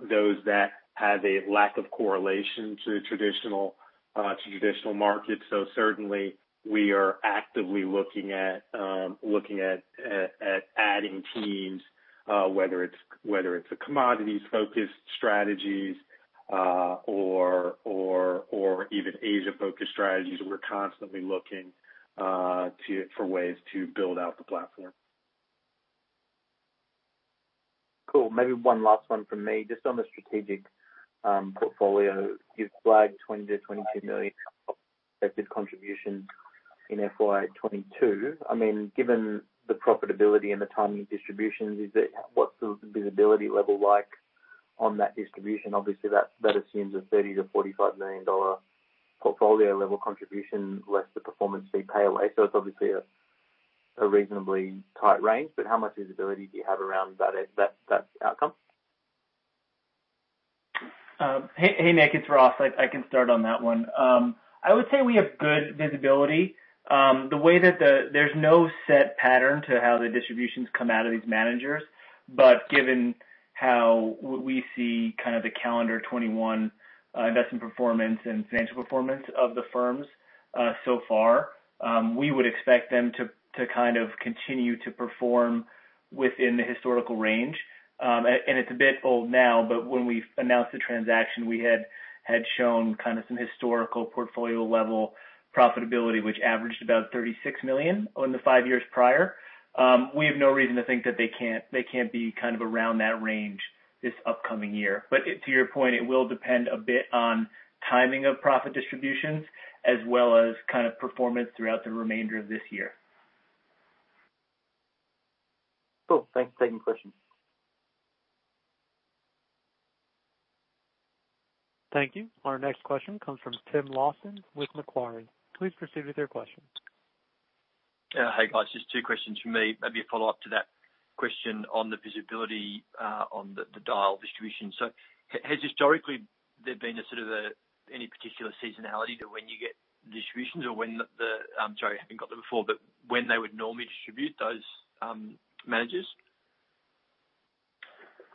those that have a lack of correlation to traditional markets. Certainly, we are actively looking at adding teams, whether it's a commodities-focused strategies or even Asia-focused strategies. We're constantly looking for ways to build out the platform. Cool. Maybe one last one from me. Just on the Strategic Portfolio, you've flagged 20 million-22 million of effective contribution in FY 2022. Given the profitability and the timing of distributions, what's the visibility level like on that distribution? Obviously, that assumes a 30 million-45 million dollar portfolio level contribution, less the performance fee pay away. It's obviously a reasonably tight range, but how much visibility do you have around that outcome? Hey, Nick, it's Ross. I can start on that one. I would say we have good visibility. There's no set pattern to how the distributions come out of these managers. Given how we see kind of the calendar 2021 investment performance and financial performance of the firms so far, we would expect them to kind of continue to perform within the historical range. It's a bit old now, but when we announced the transaction, we had shown kind of some historical portfolio-level profitability, which averaged about 36 million in the five years prior. We have no reason to think that they can't be kind of around that range this upcoming year. To your point, it will depend a bit on timing of profit distributions, as well as performance throughout the remainder of this year. Cool. Thanks for taking the question. Thank you. Our next question comes from Tim Lawson with Macquarie. Please proceed with your question. Hey, guys. Just two questions from me. Maybe a follow-up to that question on the visibility on the Dyal distribution. Has historically there been a sort of any particular seasonality to when you get distributions or when the I'm sorry, having got them before, but when they would normally distribute those managers?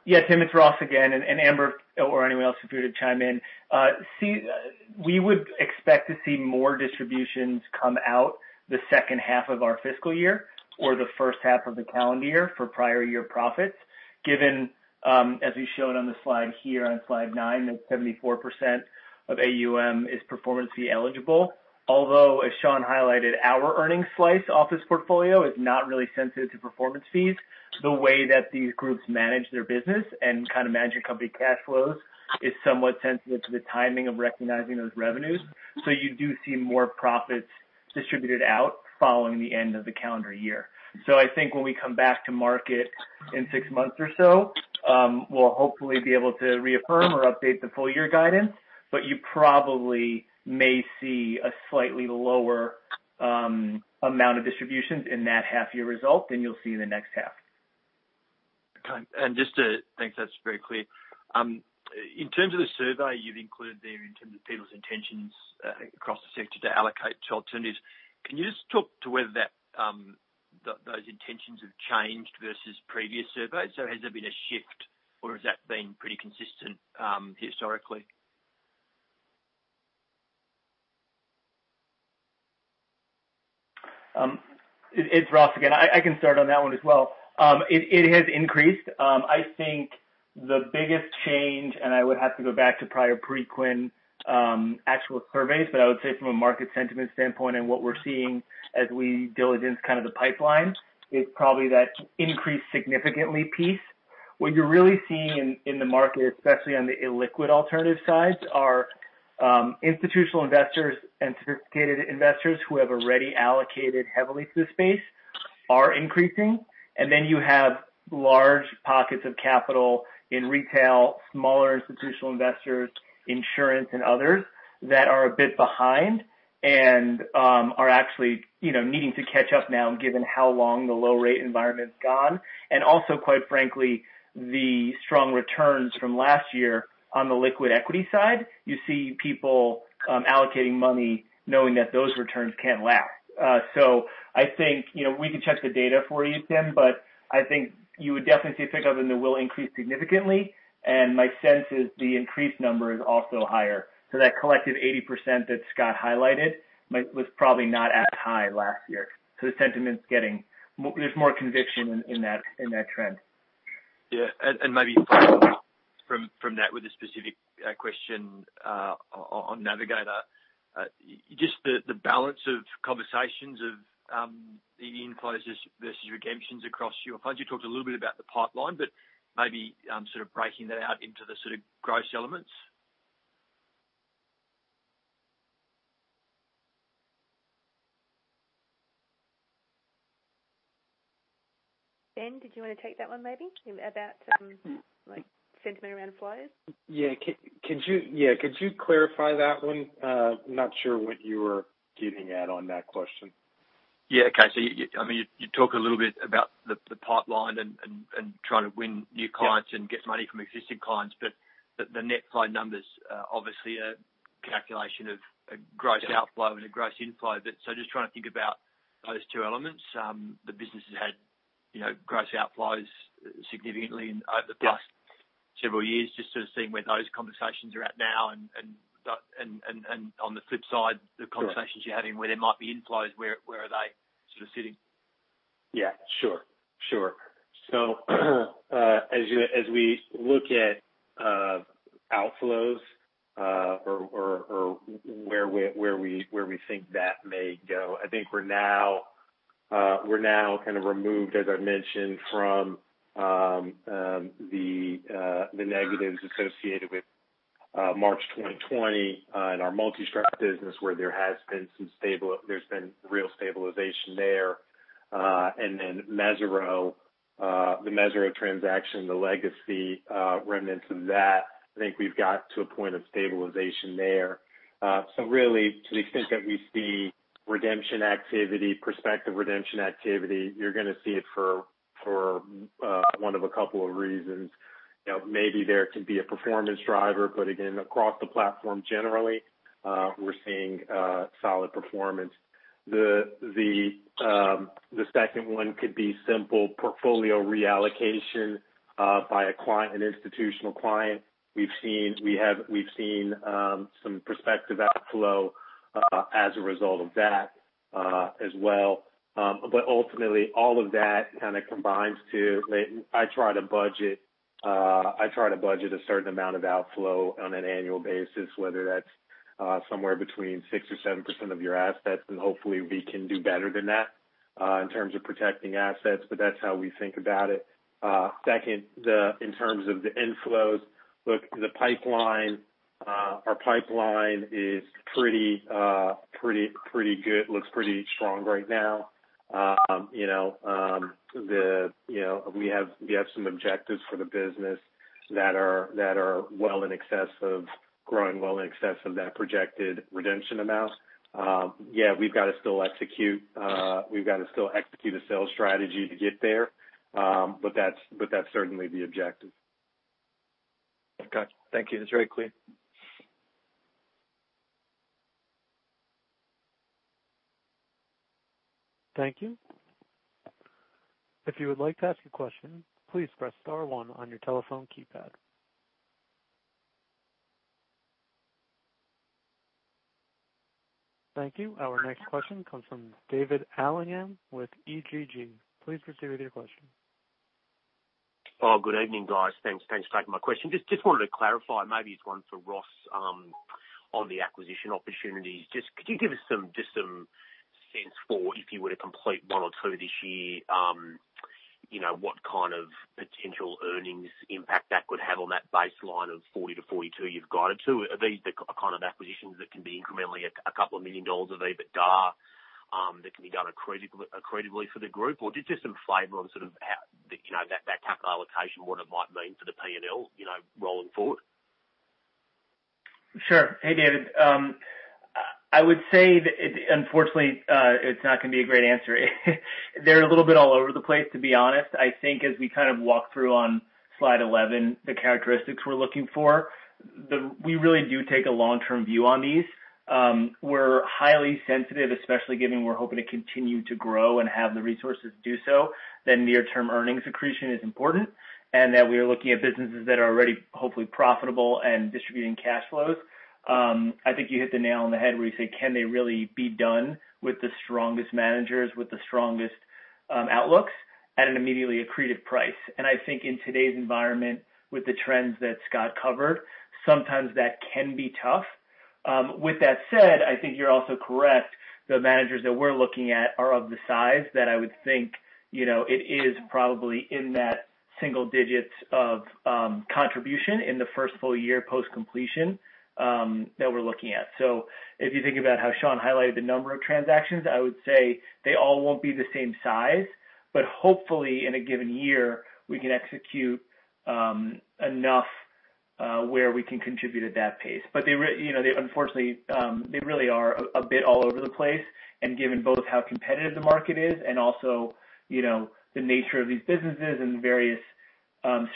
Tim, it's Ross again, and Amber or anyone else who could chime in. We would expect to see more distributions come out the second half of our fiscal year or the first half of the calendar year for prior year profits, given, as we showed on the slide here on slide nine, that 74% of AUM is performance fee eligible. Although, as Sean highlighted, our earnings slice Office Portfolio is not really sensitive to performance fees. The way that these groups manage their business and kind of manage company cash flows is somewhat sensitive to the timing of recognizing those revenues. You do see more profits distributed out following the end of the calendar year. I think when we come back to market in six months or so, we'll hopefully be able to reaffirm or update the full-year guidance, but you probably may see a slightly lower amount of distributions in that half-year result than you'll see in the next half. Okay. Thanks. That's very clear. In terms of the survey you've included there in terms of people's intentions across the sector to allocate to alternatives, can you just talk to whether those intentions have changed versus previous surveys? Has there been a shift or has that been pretty consistent historically? It's Ross again. I can start on that one as well. It has increased. I think the biggest change, and I would have to go back to prior Preqin actual surveys, but I would say from a market sentiment standpoint and what we're seeing as we diligence kind of the pipeline, is probably that increased significantly piece. What you're really seeing in the market, especially on the illiquid alternative sides, are institutional investors and sophisticated investors who have already allocated heavily to the space are increasing. Then you have large pockets of capital in retail, smaller institutional investors, insurance, and others that are a bit behind and are actually needing to catch up now given how long the low rate environment's gone. Also, quite frankly, the strong returns from last year on the liquid equity side. You see people allocating money knowing that those returns can't last. I think we can check the data for you, Tim, I think you would definitely see a pickup in the will increase significantly, My sense is the increased number is also higher. That collective 80% that Scott highlighted was probably not as high last year. The sentiment's getting. There's more conviction in that trend. Yeah. Maybe from that with a specific question on Navigator. Just the balance of conversations of the inflows versus redemptions across your fund. You talked a little bit about the pipeline, but maybe sort of breaking that out into the sort of gross elements. Ben, did you want to take that one maybe, about sentiment around flows? Yeah. Could you clarify that one? Not sure what you were getting at on that question. Yeah. Okay. You talk a little bit about the pipeline and trying to win new clients and get money from existing clients. The net flow numbers obviously are a calculation of a gross outflow and a gross inflow. Just trying to think about those two elements. The business has had gross outflows significantly over the past several years, just sort of seeing where those conversations are at now. On the flip side, the conversations you're having where there might be inflows, where are they sort of sitting? Yeah, sure. As we look at outflows or where we think that may go, I think we're now kind of removed, as I mentioned, from the negatives associated with March 2020 in our multi-strategy business, where there's been real stabilization there. The Mesirow transaction, the legacy remnants of that, I think we've got to a point of stabilization there. Really to the extent that we see redemption activity, prospective redemption activity, you're going to see it for one of a couple of reasons. Maybe there could be a performance driver, but again, across the platform generally, we're seeing solid performance. The second one could be simple portfolio reallocation by an institutional client. We've seen some prospective outflow as a result of that as well. Ultimately, all of that kind of combines to I try to budget a certain amount of outflow on an annual basis, whether that's somewhere between 6% or 7% of your assets, and hopefully we can do better than that in terms of protecting assets. That's how we think about it. Second, in terms of the inflows, look, our pipeline looks pretty strong right now. We have some objectives for the business that are growing well in excess of that projected redemption amount. Yeah, we've got to still execute the sales strategy to get there, but that's certainly the objective. Okay. Thank you. That's very clear. Thank you. If you would like to ask a question, please press star one on your telephone keypad. Thank you. Our next question comes from David Allingham with EGG. Please proceed with your question. Good evening, guys. Thanks for taking my question. Just wanted to clarify, maybe it is one for Ross on the acquisition opportunities. Just could you give us some sense for if you were to complete one or two this year, what kind of potential earnings impact that could have on that baseline of 40 million-42 million you have guided to? Are these the kind of acquisitions that can be incrementally a couple of million dollars of EBITDA that can be done accretively for the group? Or just some flavor on sort of that capital allocation, what it might mean for the P&L rolling forward. Sure. Hey, David. I would say that unfortunately it's not going to be a great answer. They're a little bit all over the place, to be honest. I think as we kind of walk through on slide 11, the characteristics we're looking for, we really do take a long-term view on these. We're highly sensitive, especially given we're hoping to continue to grow and have the resources to do so, then near-term earnings accretion is important, and that we are looking at businesses that are already hopefully profitable and distributing cash flows. I think you hit the nail on the head where you say, can they really be done with the strongest managers, with the strongest outlooks at an immediately accretive price? I think in today's environment, with the trends that Scott covered, sometimes that can be tough. With that said, I think you're also correct. The managers that we're looking at are of the size that I would think it is probably in that single digits of contribution in the first full year post-completion that we're looking at. If you think about how Sean highlighted the number of transactions, I would say they all won't be the same size. Hopefully, in a given year, we can execute enough where we can contribute at that pace. Unfortunately, they really are a bit all over the place. Given both how competitive the market is and also the nature of these businesses and the various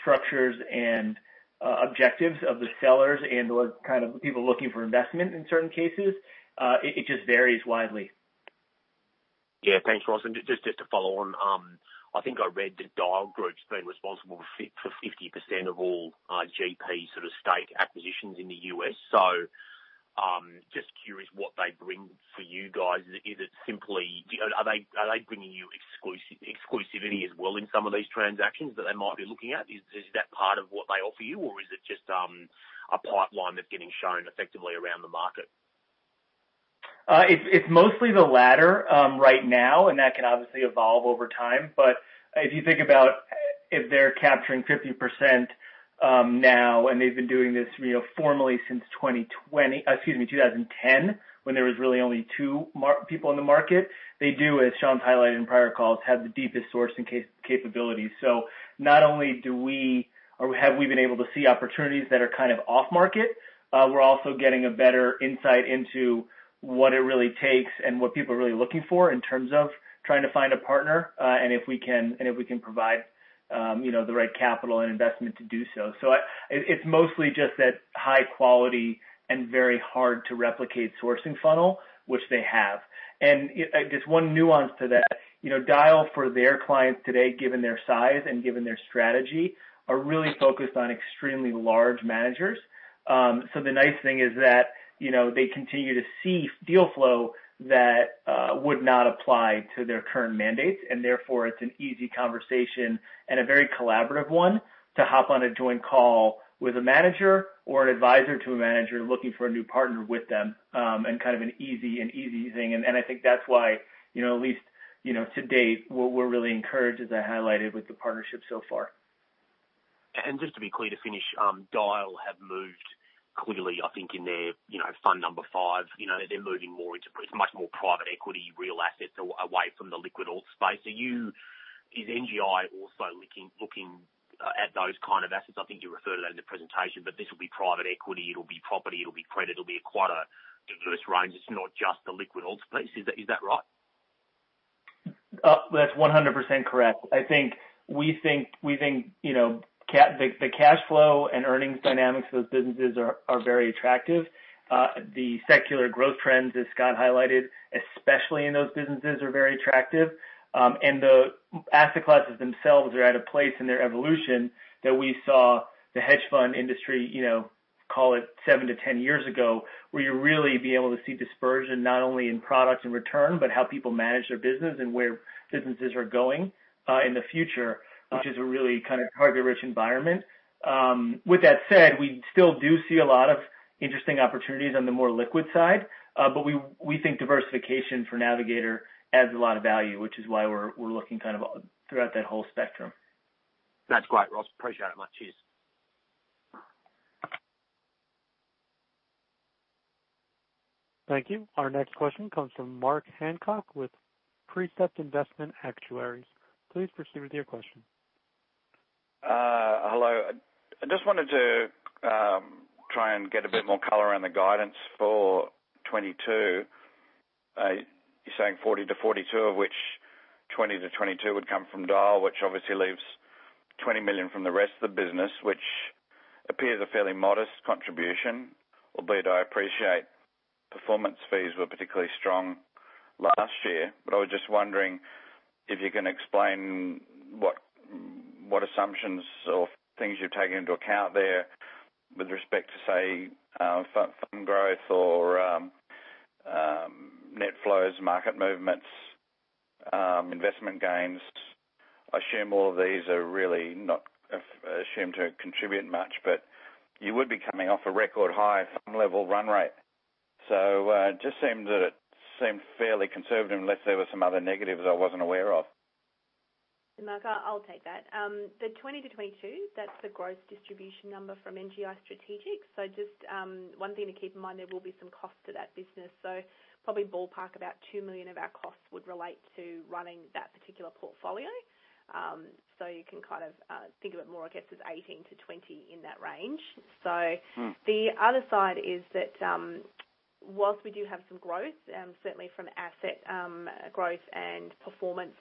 structures and objectives of the sellers and the kind of people looking for investment in certain cases, it just varies widely. Yeah. Thanks, Ross. Just to follow on, I think I read that Dyal Group has been responsible for 50% of all GP sort of stake acquisitions in the U.S. Just curious what they bring for you guys. Are they bringing you exclusivity as well in some of these transactions that they might be looking at? Is that part of what they offer you, or is it just a pipeline that's getting shown effectively around the market? It's mostly the latter right now, and that can obviously evolve over time. If you think about if they're capturing 50% now, and they've been doing this formally since 2010, when there was really only two people in the market. They do, as Sean highlighted in prior calls, have the deepest sourcing capabilities. Not only have we been able to see opportunities that are kind of off-market, we're also getting a better insight into what it really takes and what people are really looking for in terms of trying to find a partner, and if we can provide the right capital and investment to do so. It's mostly just that high quality and very hard to replicate sourcing funnel, which they have. Just one nuance to that. Dyal, for their clients today, given their size and given their strategy, are really focused on extremely large managers. The nice thing is that they continue to see deal flow that would not apply to their current mandates. Therefore, it's an easy conversation and a very collaborative one to hop on a joint call with a manager or an advisor to a manager looking for a new partner with them, and kind of an easy thing. I think that's why, at least to date, we're really encouraged, as I highlighted, with the partnership so far. Just to be clear, to finish, Dyal have moved clearly, I think, in their fund number five. They're moving more into much more private equity, real assets, away from the liquid alts space. Is NGI also looking at those kind of assets? I think you referred to that in the presentation, but this will be private equity, it'll be property, it'll be credit, it'll be quite a diverse range. It's not just the liquid alts space. Is that right? That's 100% correct. We think the cash flow and earnings dynamics of those businesses are very attractive. The secular growth trends, as Scott highlighted, especially in those businesses, are very attractive. The asset classes themselves are at a place in their evolution that we saw the hedge fund industry, call it 7-10 years ago, where you really be able to see dispersion not only in product and return, but how people manage their business and where businesses are going in the future, which is a really kind of target-rich environment. With that said, we still do see a lot of interesting opportunities on the more liquid side. We think diversification for Navigator adds a lot of value, which is why we're looking kind of throughout that whole spectrum. That's great, Ross. Appreciate it much. Cheers. Thank you. Our next question comes from Mark Hancock with Precept Investment Actuaries. Please proceed with your question. Hello. I just wanted to try and get a bit more color around the guidance for 2022. You are saying 40 million-42 million, of which 20 million-22 million would come from Dyal, which obviously leaves 20 million from the rest of the business, which appears a fairly modest contribution, albeit I appreciate performance fees were particularly strong last year. I was just wondering if you can explain what assumptions or things you are taking into account there with respect to, say, fund growth or net flows, market movements, investment gains. I assume all of these are really not assumed to contribute much, but you would be coming off a record high fund level run rate. It just seemed that it seemed fairly conservative, unless there were some other negatives I was not aware of. Mark, I'll take that. 20 million-22 million, that's the gross distribution number from NGI Strategic. Just one thing to keep in mind, there will be some cost to that business. Probably ballpark about 2 million of our costs would relate to running that particular portfolio. You can kind of think of it more, I guess, as 18 million-20 million in that range. The other side is that, whilst we do have some growth, certainly from asset growth and performance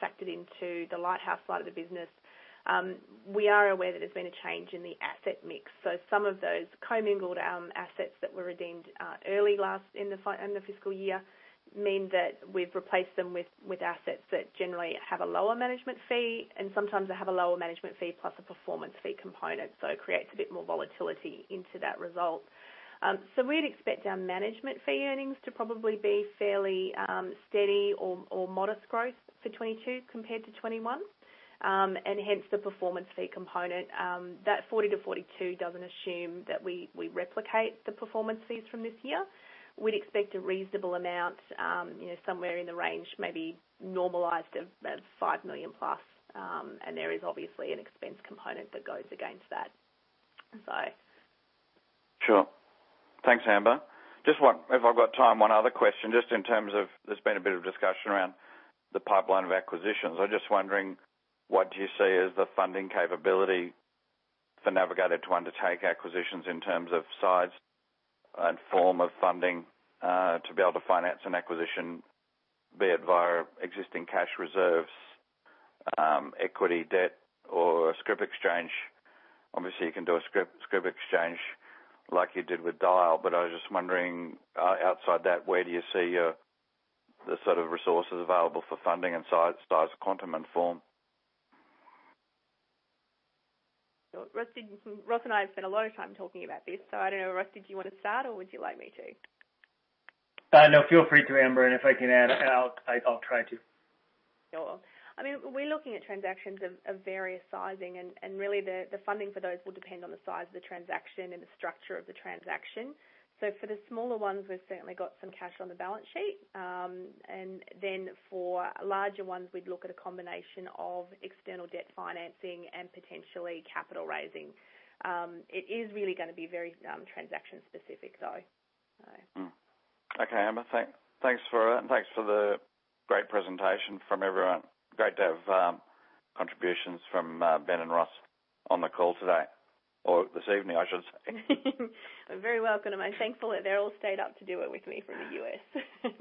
factored into the Lighthouse side of the business, we are aware that there's been a change in the asset mix. Some of those commingled assets that were redeemed early in the fiscal year mean that we've replaced them with assets that generally have a lower management fee. Sometimes they have a lower management fee plus a performance fee component, it creates a bit more volatility into that result. We'd expect our management fee earnings to probably be fairly steady or modest growth for FY 2022 compared to FY 2021. Hence the performance fee component. That 40 million-42 million doesn't assume that we replicate the performance fees from this year. We'd expect a reasonable amount, somewhere in the range, maybe normalized, of about 5 million+. There is obviously an expense component that goes against that. Sure. Thanks, Amber. Just one, if I've got time, one other question, just in terms of there's been a bit of discussion around the pipeline of acquisitions. I'm just wondering, what do you see as the funding capability for Navigator to undertake acquisitions in terms of size and form of funding to be able to finance an acquisition, be it via existing cash reserves, equity, debt, or a scrip exchange? Obviously, you can do a scrip exchange like you did with Dyal, but I was just wondering, outside that, where do you see the sort of resources available for funding and size, quantum, and form? Ross and I have spent a lot of time talking about this, so I don't know, Ross, did you want to start or would you like me to? No, feel free to, Amber, and if I can add, I'll try to. Sure. We're looking at transactions of various sizing, and really the funding for those will depend on the size of the transaction and the structure of the transaction. For the smaller ones, we've certainly got some cash on the balance sheet. For larger ones, we'd look at a combination of external debt financing and potentially capital raising. It is really going to be very transaction specific, though. Okay, Amber. Thanks for the great presentation from everyone. Great to have contributions from Ben and Ross on the call today. Or this evening, I should say. You're very welcome. I'm thankful that they all stayed up to do it with me from the U.S.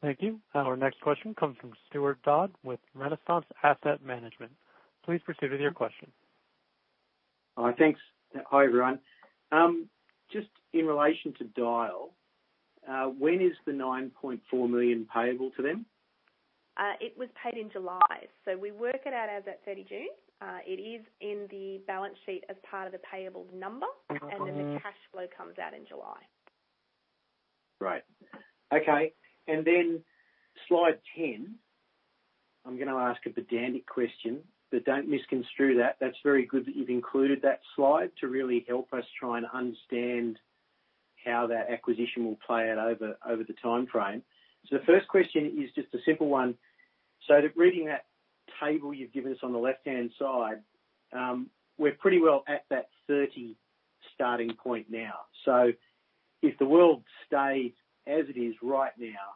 Thank you. Our next question comes from Stuart Dodd with Renaissance Asset Management. Please proceed with your question. All right. Thanks. Hi, everyone. Just in relation to Dyal, when is the 9.4 million payable to them? It was paid in July. We work it out as at 30 June. It is in the balance sheet as part of the payable number. The cash flow comes out in July. Right. Okay. Then slide 10, I'm going to ask a pedantic question. Don't misconstrue that. That's very good that you've included that slide to really help us try and understand how that acquisition will play out over the timeframe. The first question is just a simple one. Reading that table you've given us on the left-hand side, we're pretty well at that 30 million starting point now. If the world stayed as it is right now,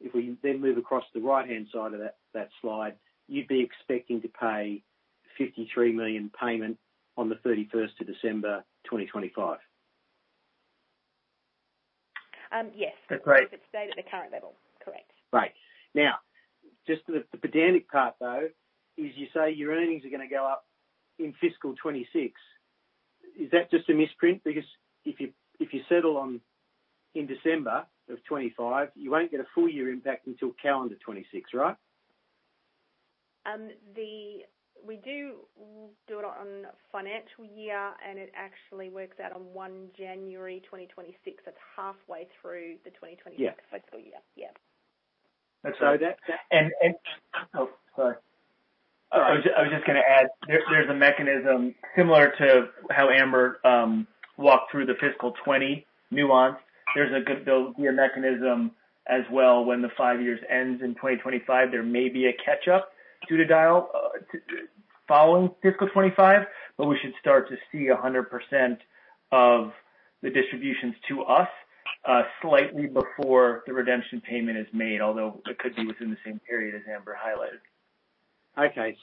if we then move across to the right-hand side of that slide, you'd be expecting to pay 53 million payment on the 31st of December 2025? Yes. Great. If it stayed at the current level. Correct. Right. Just the pedantic part, though, is you say your earnings are going to go up in fiscal 2026. Is that just a misprint? If you settle in December of 2025, you won't get a full year impact until calendar 2026, right? We do it on financial year, and it actually works out on 1 January 2026. It's halfway through the 2026 fiscal year. That's right. Sorry, I was just going to add, there's a mechanism similar to how Amber walked through the fiscal 2020 nuance. There's a good mechanism as well when the five years ends in 2025. There may be a catch-up due to Dyal following fiscal 2025, but we should start to see 100% of the distributions to us slightly before the redemption payment is made, although it could be within the same period as Amber highlighted. Okay.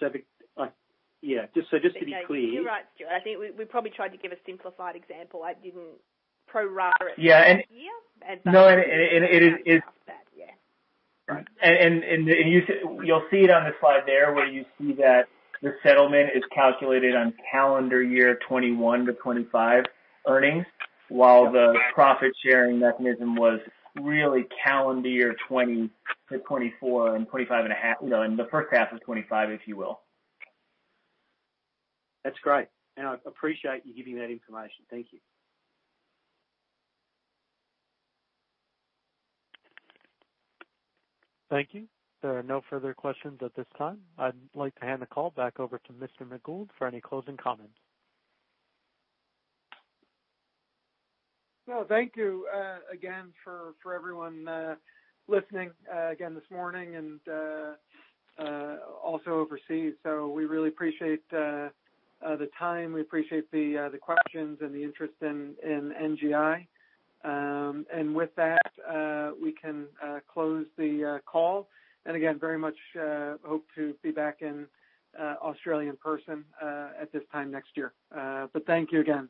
You're right, Stuart. I think we probably tried to give a simplified example. I didn't pro-rata it by year. That, yeah. Right. You'll see it on the slide there where you see that the settlement is calculated on calendar year 2021 to 2025 earnings, while the profit-sharing mechanism was really calendar year 2020-2024 and the first half of 2025, if you will. That's great. I appreciate you giving that information. Thank you. Thank you. There are no further questions at this time. I'd like to hand the call back over to Mr. McGould for any closing comments. Well, thank you again for everyone listening again this morning and also overseas. We really appreciate the time. We appreciate the questions and the interest in NGI. With that, we can close the call. Again, very much hope to be back in Australia in person at this time next year. Thank you again.